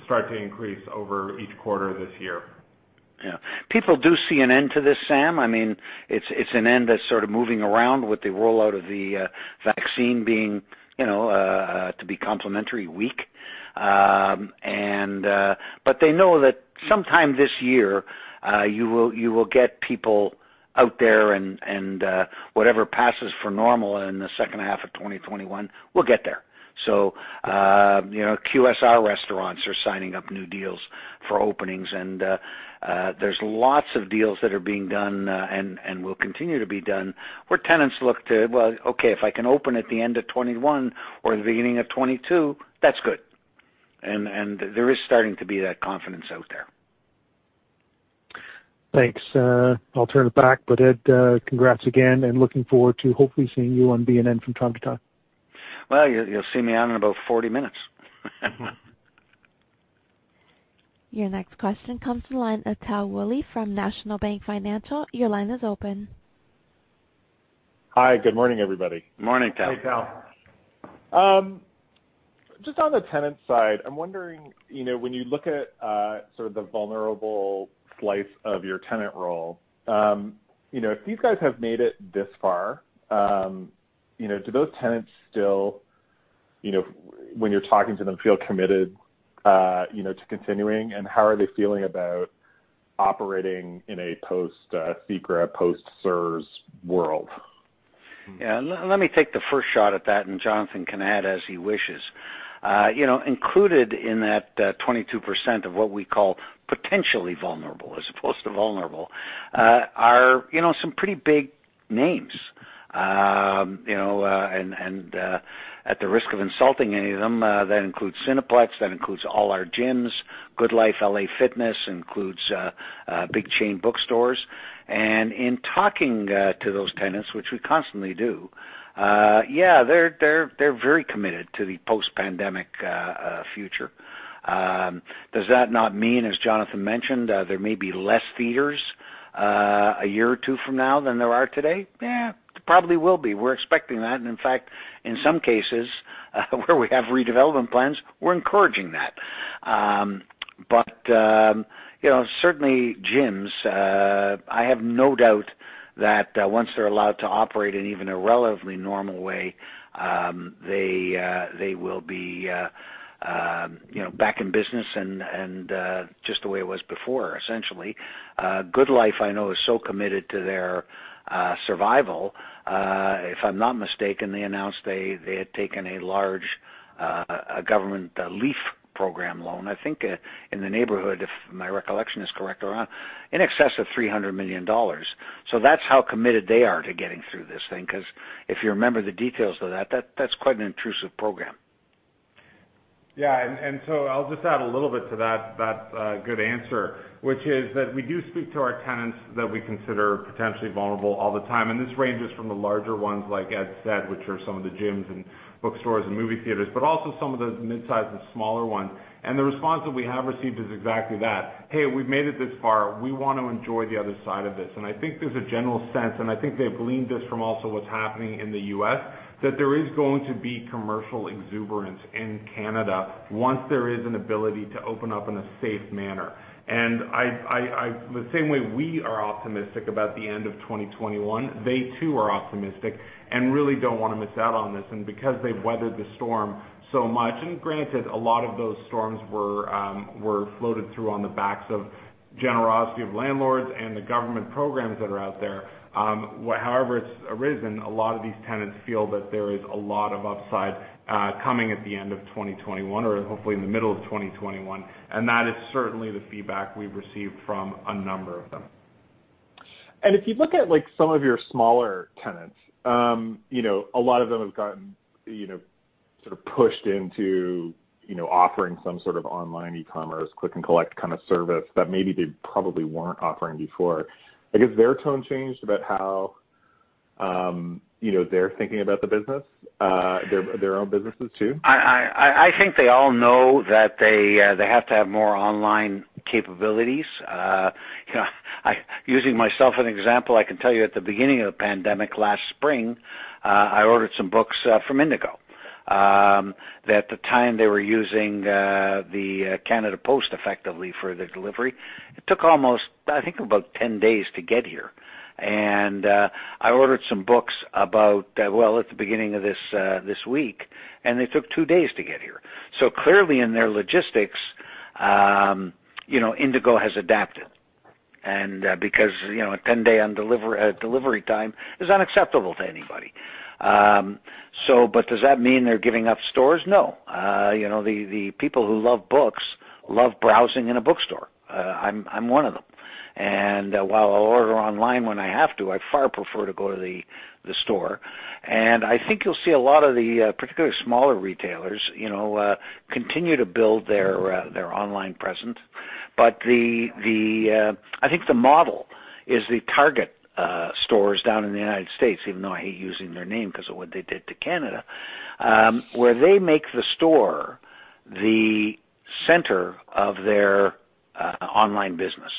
start to increase over each quarter this year. People do see an end to this, Sam. It's an end that's sort of moving around with the rollout of the vaccine being to be complementary week. They know that sometime this year, you will get people out there and whatever passes for normal in the H2 of 2021 will get there. QSR restaurants are signing up new deals for openings, and there's lots of deals that are being done and will continue to be done where tenants look to, "Well, okay, if I can open at the end of 2021 or the beginning of 2022, that's good." There is starting to be that confidence out there. Thanks. I'll turn it back. Ed, congrats again, and looking forward to hopefully seeing you on BNN from time to time. Well, you'll see me on in about 40 minutes. Your next question comes from the line of Tal Woolley from National Bank Financial. Your line is open. Hi, good morning, everybody. Morning, Tal. Hey, Tal. Just on the tenant side, I'm wondering, when you look at sort of the vulnerable slice of your tenant roll, if these guys have made it this far, do those tenants still, when you're talking to them, feel committed to continuing? How are they feeling about operating in a post-CECRA, post-CERS world? Yeah, let me take the first shot at that, and Jonathan can add as he wishes. Included in that 22% of what we call potentially vulnerable as opposed to vulnerable are some pretty big names. At the risk of insulting any of them, that includes Cineplex, that includes all our gyms, GoodLife, LA Fitness, includes big chain bookstores. In talking to those tenants, which we constantly do, yeah, they're very committed to the post-pandemic future. Does that not mean, as Jonathan mentioned, there may be less theaters a year or two from now than there are today? Yeah, there probably will be. We're expecting that. In fact, in some cases where we have redevelopment plans, we're encouraging that. Certainly gyms, I have no doubt that once they're allowed to operate in even a relatively normal way, they will be back in business and just the way it was before, essentially. GoodLife I know is so committed to their survival. If I'm not mistaken, they announced they had taken a large government LEEFF program loan. I think in the neighborhood, if my recollection is correct, in excess of 300 million dollars. That's how committed they are to getting through this thing because if you remember the details of that's quite an intrusive program. Yeah. I'll just add a little bit to that good answer, which is that we do speak to our tenants that we consider potentially vulnerable all the time, and this ranges from the larger ones like Ed said, which are some of the gyms and bookstores and movie theaters, but also some of the mid-size and smaller ones. The response that we have received is exactly that. "Hey, we've made it this far. We want to enjoy the other side of this." I think there's a general sense, and I think they've gleaned this from also what's happening in the U.S., that there is going to be commercial exuberance in Canada once there is an ability to open up in a safe manner. The same way we are optimistic about the end of 2021, they too are optimistic and really don't want to miss out on this. Because they've weathered the storm so much, and granted, a lot of those storms were floated through on the backs of generosity of landlords and the government programs that are out there. However it's arisen, a lot of these tenants feel that there is a lot of upside coming at the end of 2021 or hopefully in the middle of 2021. That is certainly the feedback we've received from a number of them. If you look at some of your smaller tenants, a lot of them have gotten sort of pushed into offering some sort of online e-commerce click and collect kind of service that maybe they probably weren't offering before. Has their tone changed about how they're thinking about the business, their own businesses too? I think they all know that they have to have more online capabilities. Using myself as an example, I can tell you at the beginning of the pandemic last spring, I ordered some books from Indigo. At the time, they were using the Canada Post effectively for the delivery. It took almost, I think, about 10 days to get here. I ordered some books about, well, at the beginning of this week, and they took two days to get here. Clearly in their logistics, Indigo has adapted. Because a 10-day delivery time is unacceptable to anybody. Does that mean they're giving up stores? No. The people who love books love browsing in a bookstore. I'm one of them. While I'll order online when I have to, I far prefer to go to the store. I think you'll see a lot of the particularly smaller retailers continue to build their online presence. I think the model is the Target stores down in the U.S., even though I hate using their name because of what they did to Canada, where they make the store the center of their online business.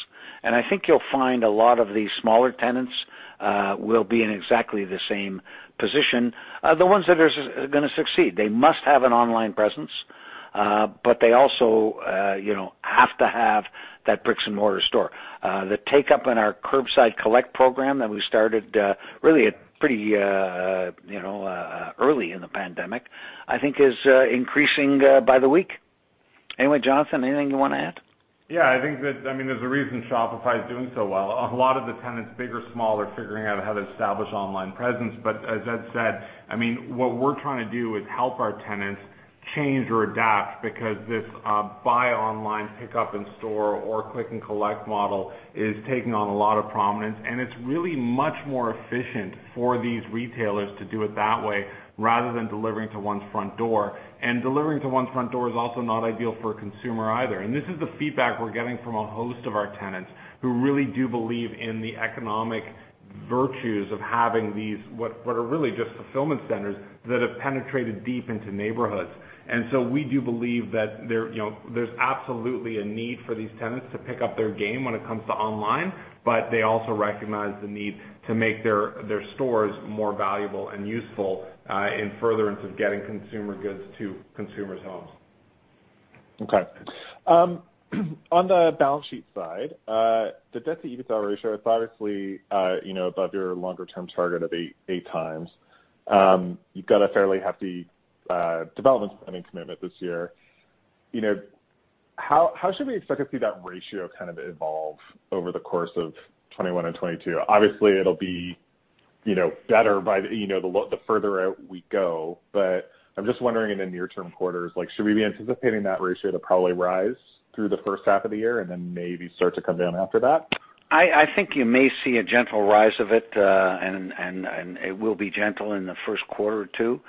I think you'll find a lot of these smaller tenants will be in exactly the same position. The ones that are going to succeed, they must have an online presence, but they also have to have that bricks and mortar store. The take-up in our curbside collect program that we started really pretty early in the pandemic, I think is increasing by the week. Anyway, Jonathan, anything you want to add? Yeah, I think that there's a reason Shopify is doing so well. A lot of the tenants, big or small, are figuring out how to establish online presence. As Ed said, what we're trying to do is help our tenants change or adapt because this buy online, pick up in store, or click and collect model is taking on a lot of prominence, and it's really much more efficient for these retailers to do it that way rather than delivering to one's front door. Delivering to one's front door is also not ideal for a consumer either. This is the feedback we're getting from a host of our tenants who really do believe in the economic virtues of having these, what are really just fulfillment centers that have penetrated deep into neighborhoods. We do believe that there's absolutely a need for these tenants to pick up their game when it comes to online, but they also recognize the need to make their stores more valuable and useful in furtherance of getting consumer goods to consumers' homes. Okay. On the balance sheet side, the debt-to-EBITDA ratio is obviously above your longer-term target of eight times. You've got a fairly hefty development spending commitment this year. How should we expect to see that ratio kind of evolve over the course of 2021 and 2022? Obviously, it'll be better by the further out we go, but I'm just wondering in the near-term quarters, should we be anticipating that ratio to probably rise through the H1 of the year and then maybe start to come down after that? I think you may see a gentle rise of it. It will be gentle in the first quarter or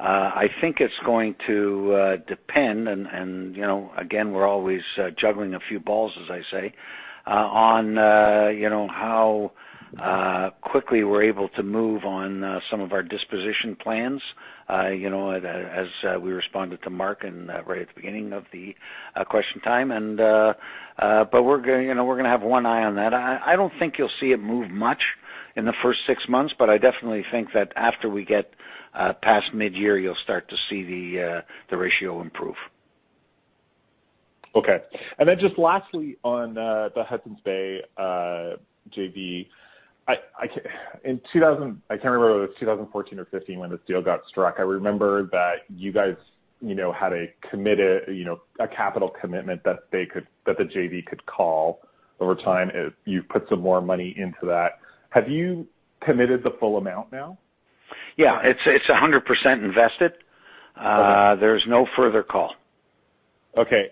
two. I think it's going to depend, again, we're always juggling a few balls, as I say, on how quickly we're able to move on some of our disposition plans, as we responded to Mark right at the beginning of the question time. We're going to have one eye on that. I don't think you'll see it move much in the first six months. I definitely think that after we get past mid-year, you'll start to see the ratio improve. Okay. Just lastly on the Hudson's Bay JV. I can't remember whether it was 2014 or 2015 when this deal got struck. I remember that you guys had a capital commitment that the JV could call over time if you put some more money into that. Have you committed the full amount now? Yeah, it's 100% invested. Okay. There's no further call. Okay.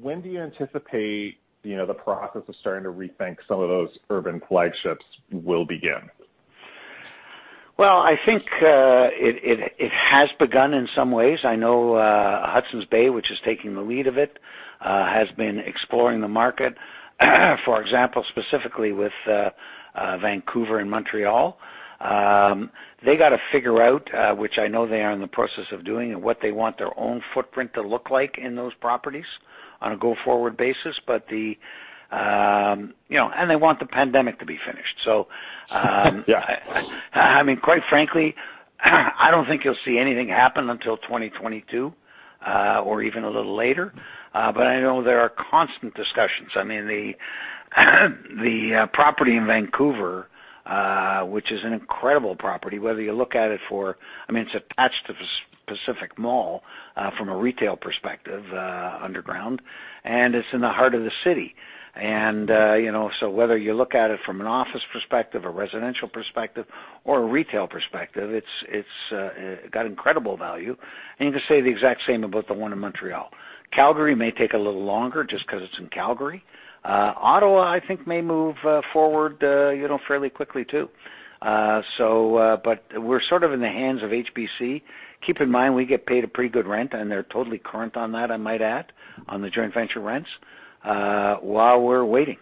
When do you anticipate the process of starting to rethink some of those urban flagships will begin? Well, I think it has begun in some ways. I know Hudson's Bay, which is taking the lead of it, has been exploring the market, for example, specifically with Vancouver and Montreal. They got to figure out, which I know they are in the process of doing, what they want their own footprint to look like in those properties on a go-forward basis. They want the pandemic to be finished. Yeah I mean, quite frankly, I don't think you'll see anything happen until 2022 or even a little later. I know there are constant discussions. I mean, the property in Vancouver, which is an incredible property, whether you look at it for I mean, it's attached to the Pacific Centre from a retail perspective underground, and it's in the heart of the city. Whether you look at it from an office perspective, a residential perspective, or a retail perspective, it's got incredible value. You can say the exact same about the one in Montreal. Calgary may take a little longer just because it's in Calgary. Ottawa, I think may move forward fairly quickly, too. We're sort of in the hands of HBC. Keep in mind, we get paid a pretty good rent, and they're totally current on that, I might add, on the joint venture rents, while we're waiting.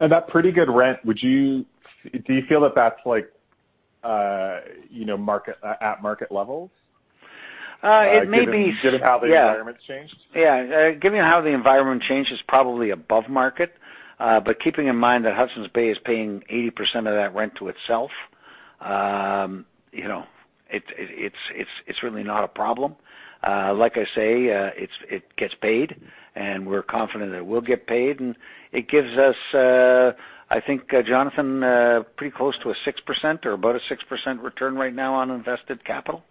That pretty good rent, do you feel that that's at market levels? It may be- Given how the environment's changed. Yeah. Given how the environment changed, it's probably above market. Keeping in mind that Hudson's Bay is paying 80% of that rent to itself, it's really not a problem. Like I say, it gets paid, and we're confident that it will get paid. It gives us, I think, Jonathan, pretty close to a 6% or about a 6% return right now on invested capital.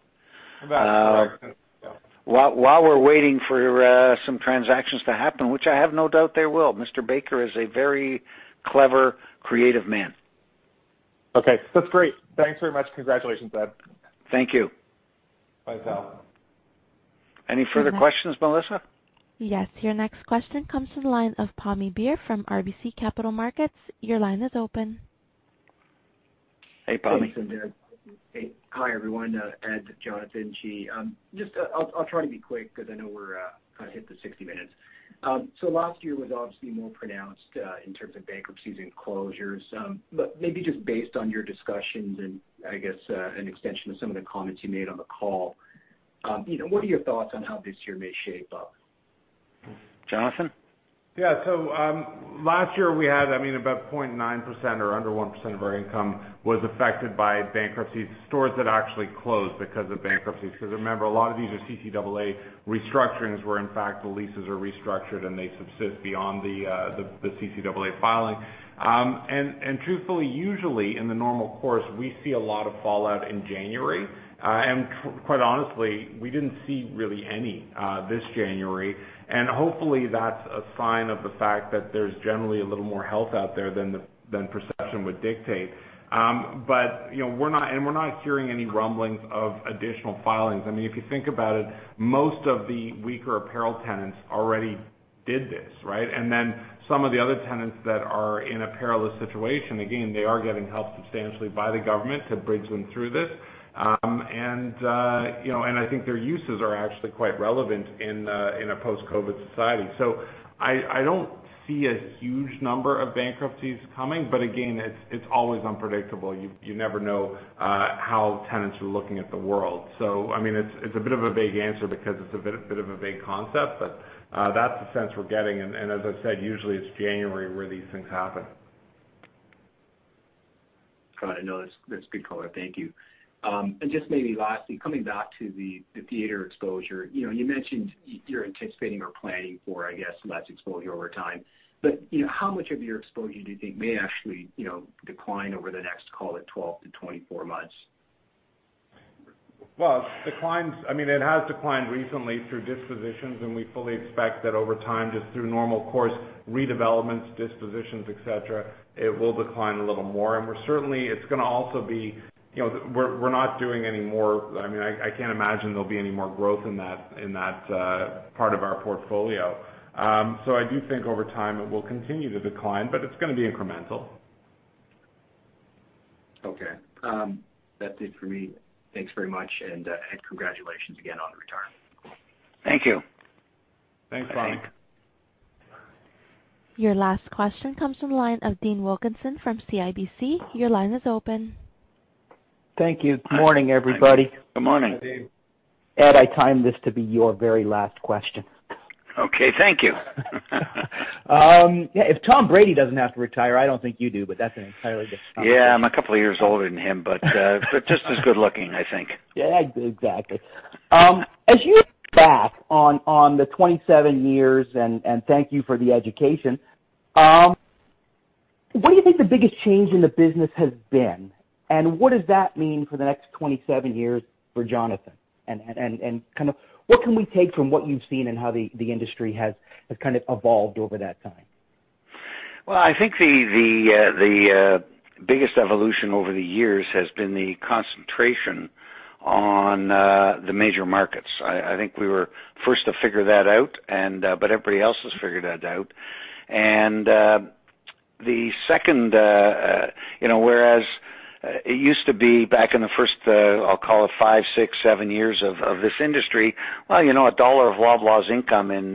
About correct, yeah. While we're waiting for some transactions to happen, which I have no doubt they will. Mr. Baker is a very clever, creative man. Okay. That's great. Thanks very much. Congratulations, Ed. Thank you. Bye, pal. Any further questions, Melissa? Yes. Your next question comes from the line of Pammi Bir from RBC Capital Markets. Your line is open. Hey, Pammi. Thanks. Hi everyone, Ed, Jonathan, Qi. Just I'll try to be quick because I know we're kind of hit the 60 minutes. Last year was obviously more pronounced in terms of bankruptcies and closures. Maybe just based on your discussions and I guess an extension of some of the comments you made on the call, what are your thoughts on how this year may shape up? Jonathan? Last year we had, about 0.9% or under 1% of our income was affected by bankruptcy. Stores that actually closed because of bankruptcies. Remember, a lot of these are CCAA restructurings where, in fact, the leases are restructured, and they subsist beyond the CCAA filing. Truthfully, usually in the normal course, we see a lot of fallout in January. Quite honestly, we didn't see really any this January. Hopefully, that's a sign of the fact that there's generally a little more health out there than perception would dictate. We're not hearing any rumblings of additional filings. I mean, if you think about it, most of the weaker apparel tenants already did this, right? Some of the other tenants that are in a perilous situation, again, they are getting helped substantially by the government to bridge them through this. I think their uses are actually quite relevant in a post-COVID society. I don't see a huge number of bankruptcies coming. Again, it's always unpredictable. You never know how tenants are looking at the world. I mean, it's a bit of a vague answer because it's a bit of a vague concept, but that's the sense we're getting. As I said, usually it's January where these things happen. Got it. No, that's good color. Thank you. Just maybe lastly, coming back to the theater exposure. You mentioned you're anticipating or planning for, I guess, less exposure over time. How much of your exposure do you think may actually decline over the next, call it, 12-24 months? Well, it has declined recently through dispositions, and we fully expect that over time, just through normal course redevelopments, dispositions, et cetera, it will decline a little more. We're not doing any more I can't imagine there'll be any more growth in that part of our portfolio. I do think over time it will continue to decline, but it's going to be incremental. Okay. That's it for me. Thanks very much, and congratulations again on retirement. Thank you. Thanks, Pam. Thanks. Your last question comes from the line of Dean Wilkinson from CIBC. Your line is open. Thank you. Good morning, everybody. Good morning. Hi, Dean. Ed, I timed this to be your very last question. Okay. Thank you. If Tom Brady doesn't have to retire, I don't think you do. That's an entirely different conversation. Yeah, I'm a couple years older than him, but just as good looking, I think. Yeah, exactly. As you look back on the 27 years, and thank you for the education, what do you think the biggest change in the business has been? What does that mean for the next 27 years for Jonathan? What can we take from what you've seen in how the industry has kind of evolved over that time? I think the biggest evolution over the years has been the concentration on the major markets. I think we were first to figure that out, but everybody else has figured that out. The second, whereas it used to be back in the first, I'll call it five, six, seven years of this industry, a dollar of Loblaws income in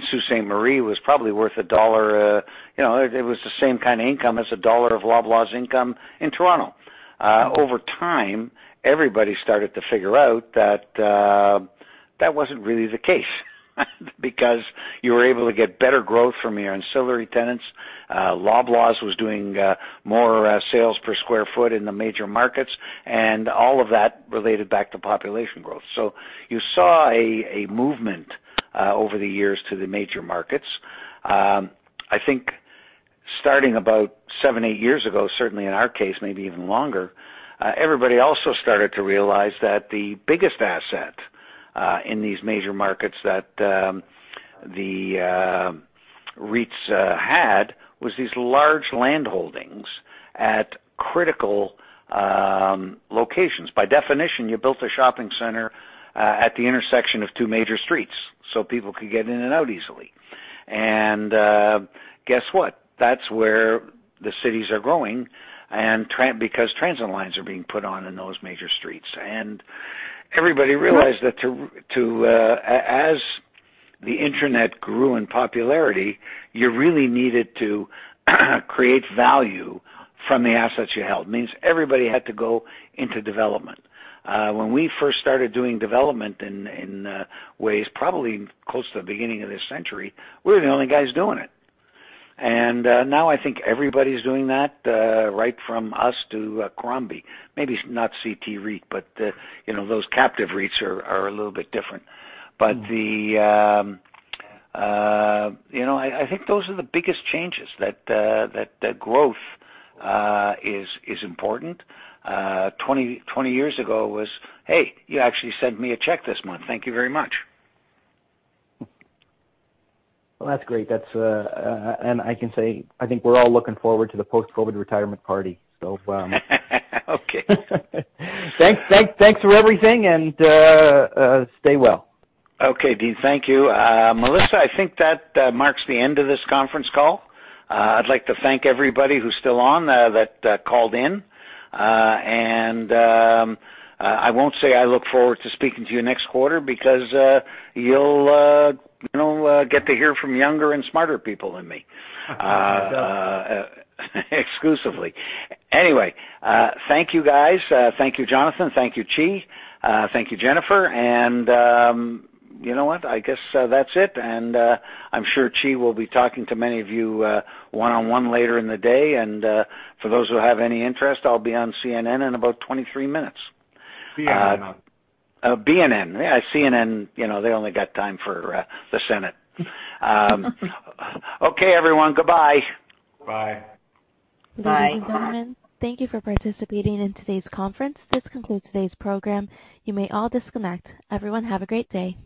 Sault Ste. Marie was probably worth CAD 1. It was the same kind of income as CAD 1 of Loblaws income in Toronto. Over time, everybody started to figure out that that wasn't really the case. Because you were able to get better growth from your ancillary tenants. Loblaws was doing more sales per square foot in the major markets, and all of that related back to population growth. You saw a movement over the years to the major markets. I think starting about seven, eight years ago, certainly in our case, maybe even longer, everybody also started to realize that the biggest asset in these major markets that the REITs had was these large land holdings at critical locations. By definition, you built a shopping center at the intersection of two major streets so people could get in and out easily. Guess what. That's where the cities are growing because transit lines are being put on in those major streets. Everybody realized that as the internet grew in popularity, you really needed to create value from the assets you held. That means everybody had to go into development. When we first started doing development in ways probably close to the beginning of this century, we were the only guys doing it. Now I think everybody's doing that, right from us to Crombie. Maybe not CT REIT, those captive REITs are a little bit different. I think those are the biggest changes, that growth is important. 20 years ago was, "Hey, you actually sent me a check this month. Thank you very much. Well, that's great. I can say, I think we're all looking forward to the post-COVID retirement party. Okay. Thanks for everything, and stay well. Okay, Dean. Thank you. Melissa, I think that marks the end of this conference call. I'd like to thank everybody who's still on that called in. I won't say I look forward to speaking to you next quarter because you'll get to hear from younger and smarter people than me. Exclusively. Anyway, thank you, guys. Thank you, Jonathan. Thank you, Qi. Thank you, Jennifer. You know what? I guess that's it. I'm sure Qi will be talking to many of you one-on-one later in the day. For those who have any interest, I'll be on BNN in about 23 minutes. BNN. BNN. CNN, they only got time for the Senate. Okay, everyone. Goodbye. Bye. Bye. Ladies and gentlemen, thank you for participating in today's conference. This concludes today's program. You may all disconnect. Everyone have a great day.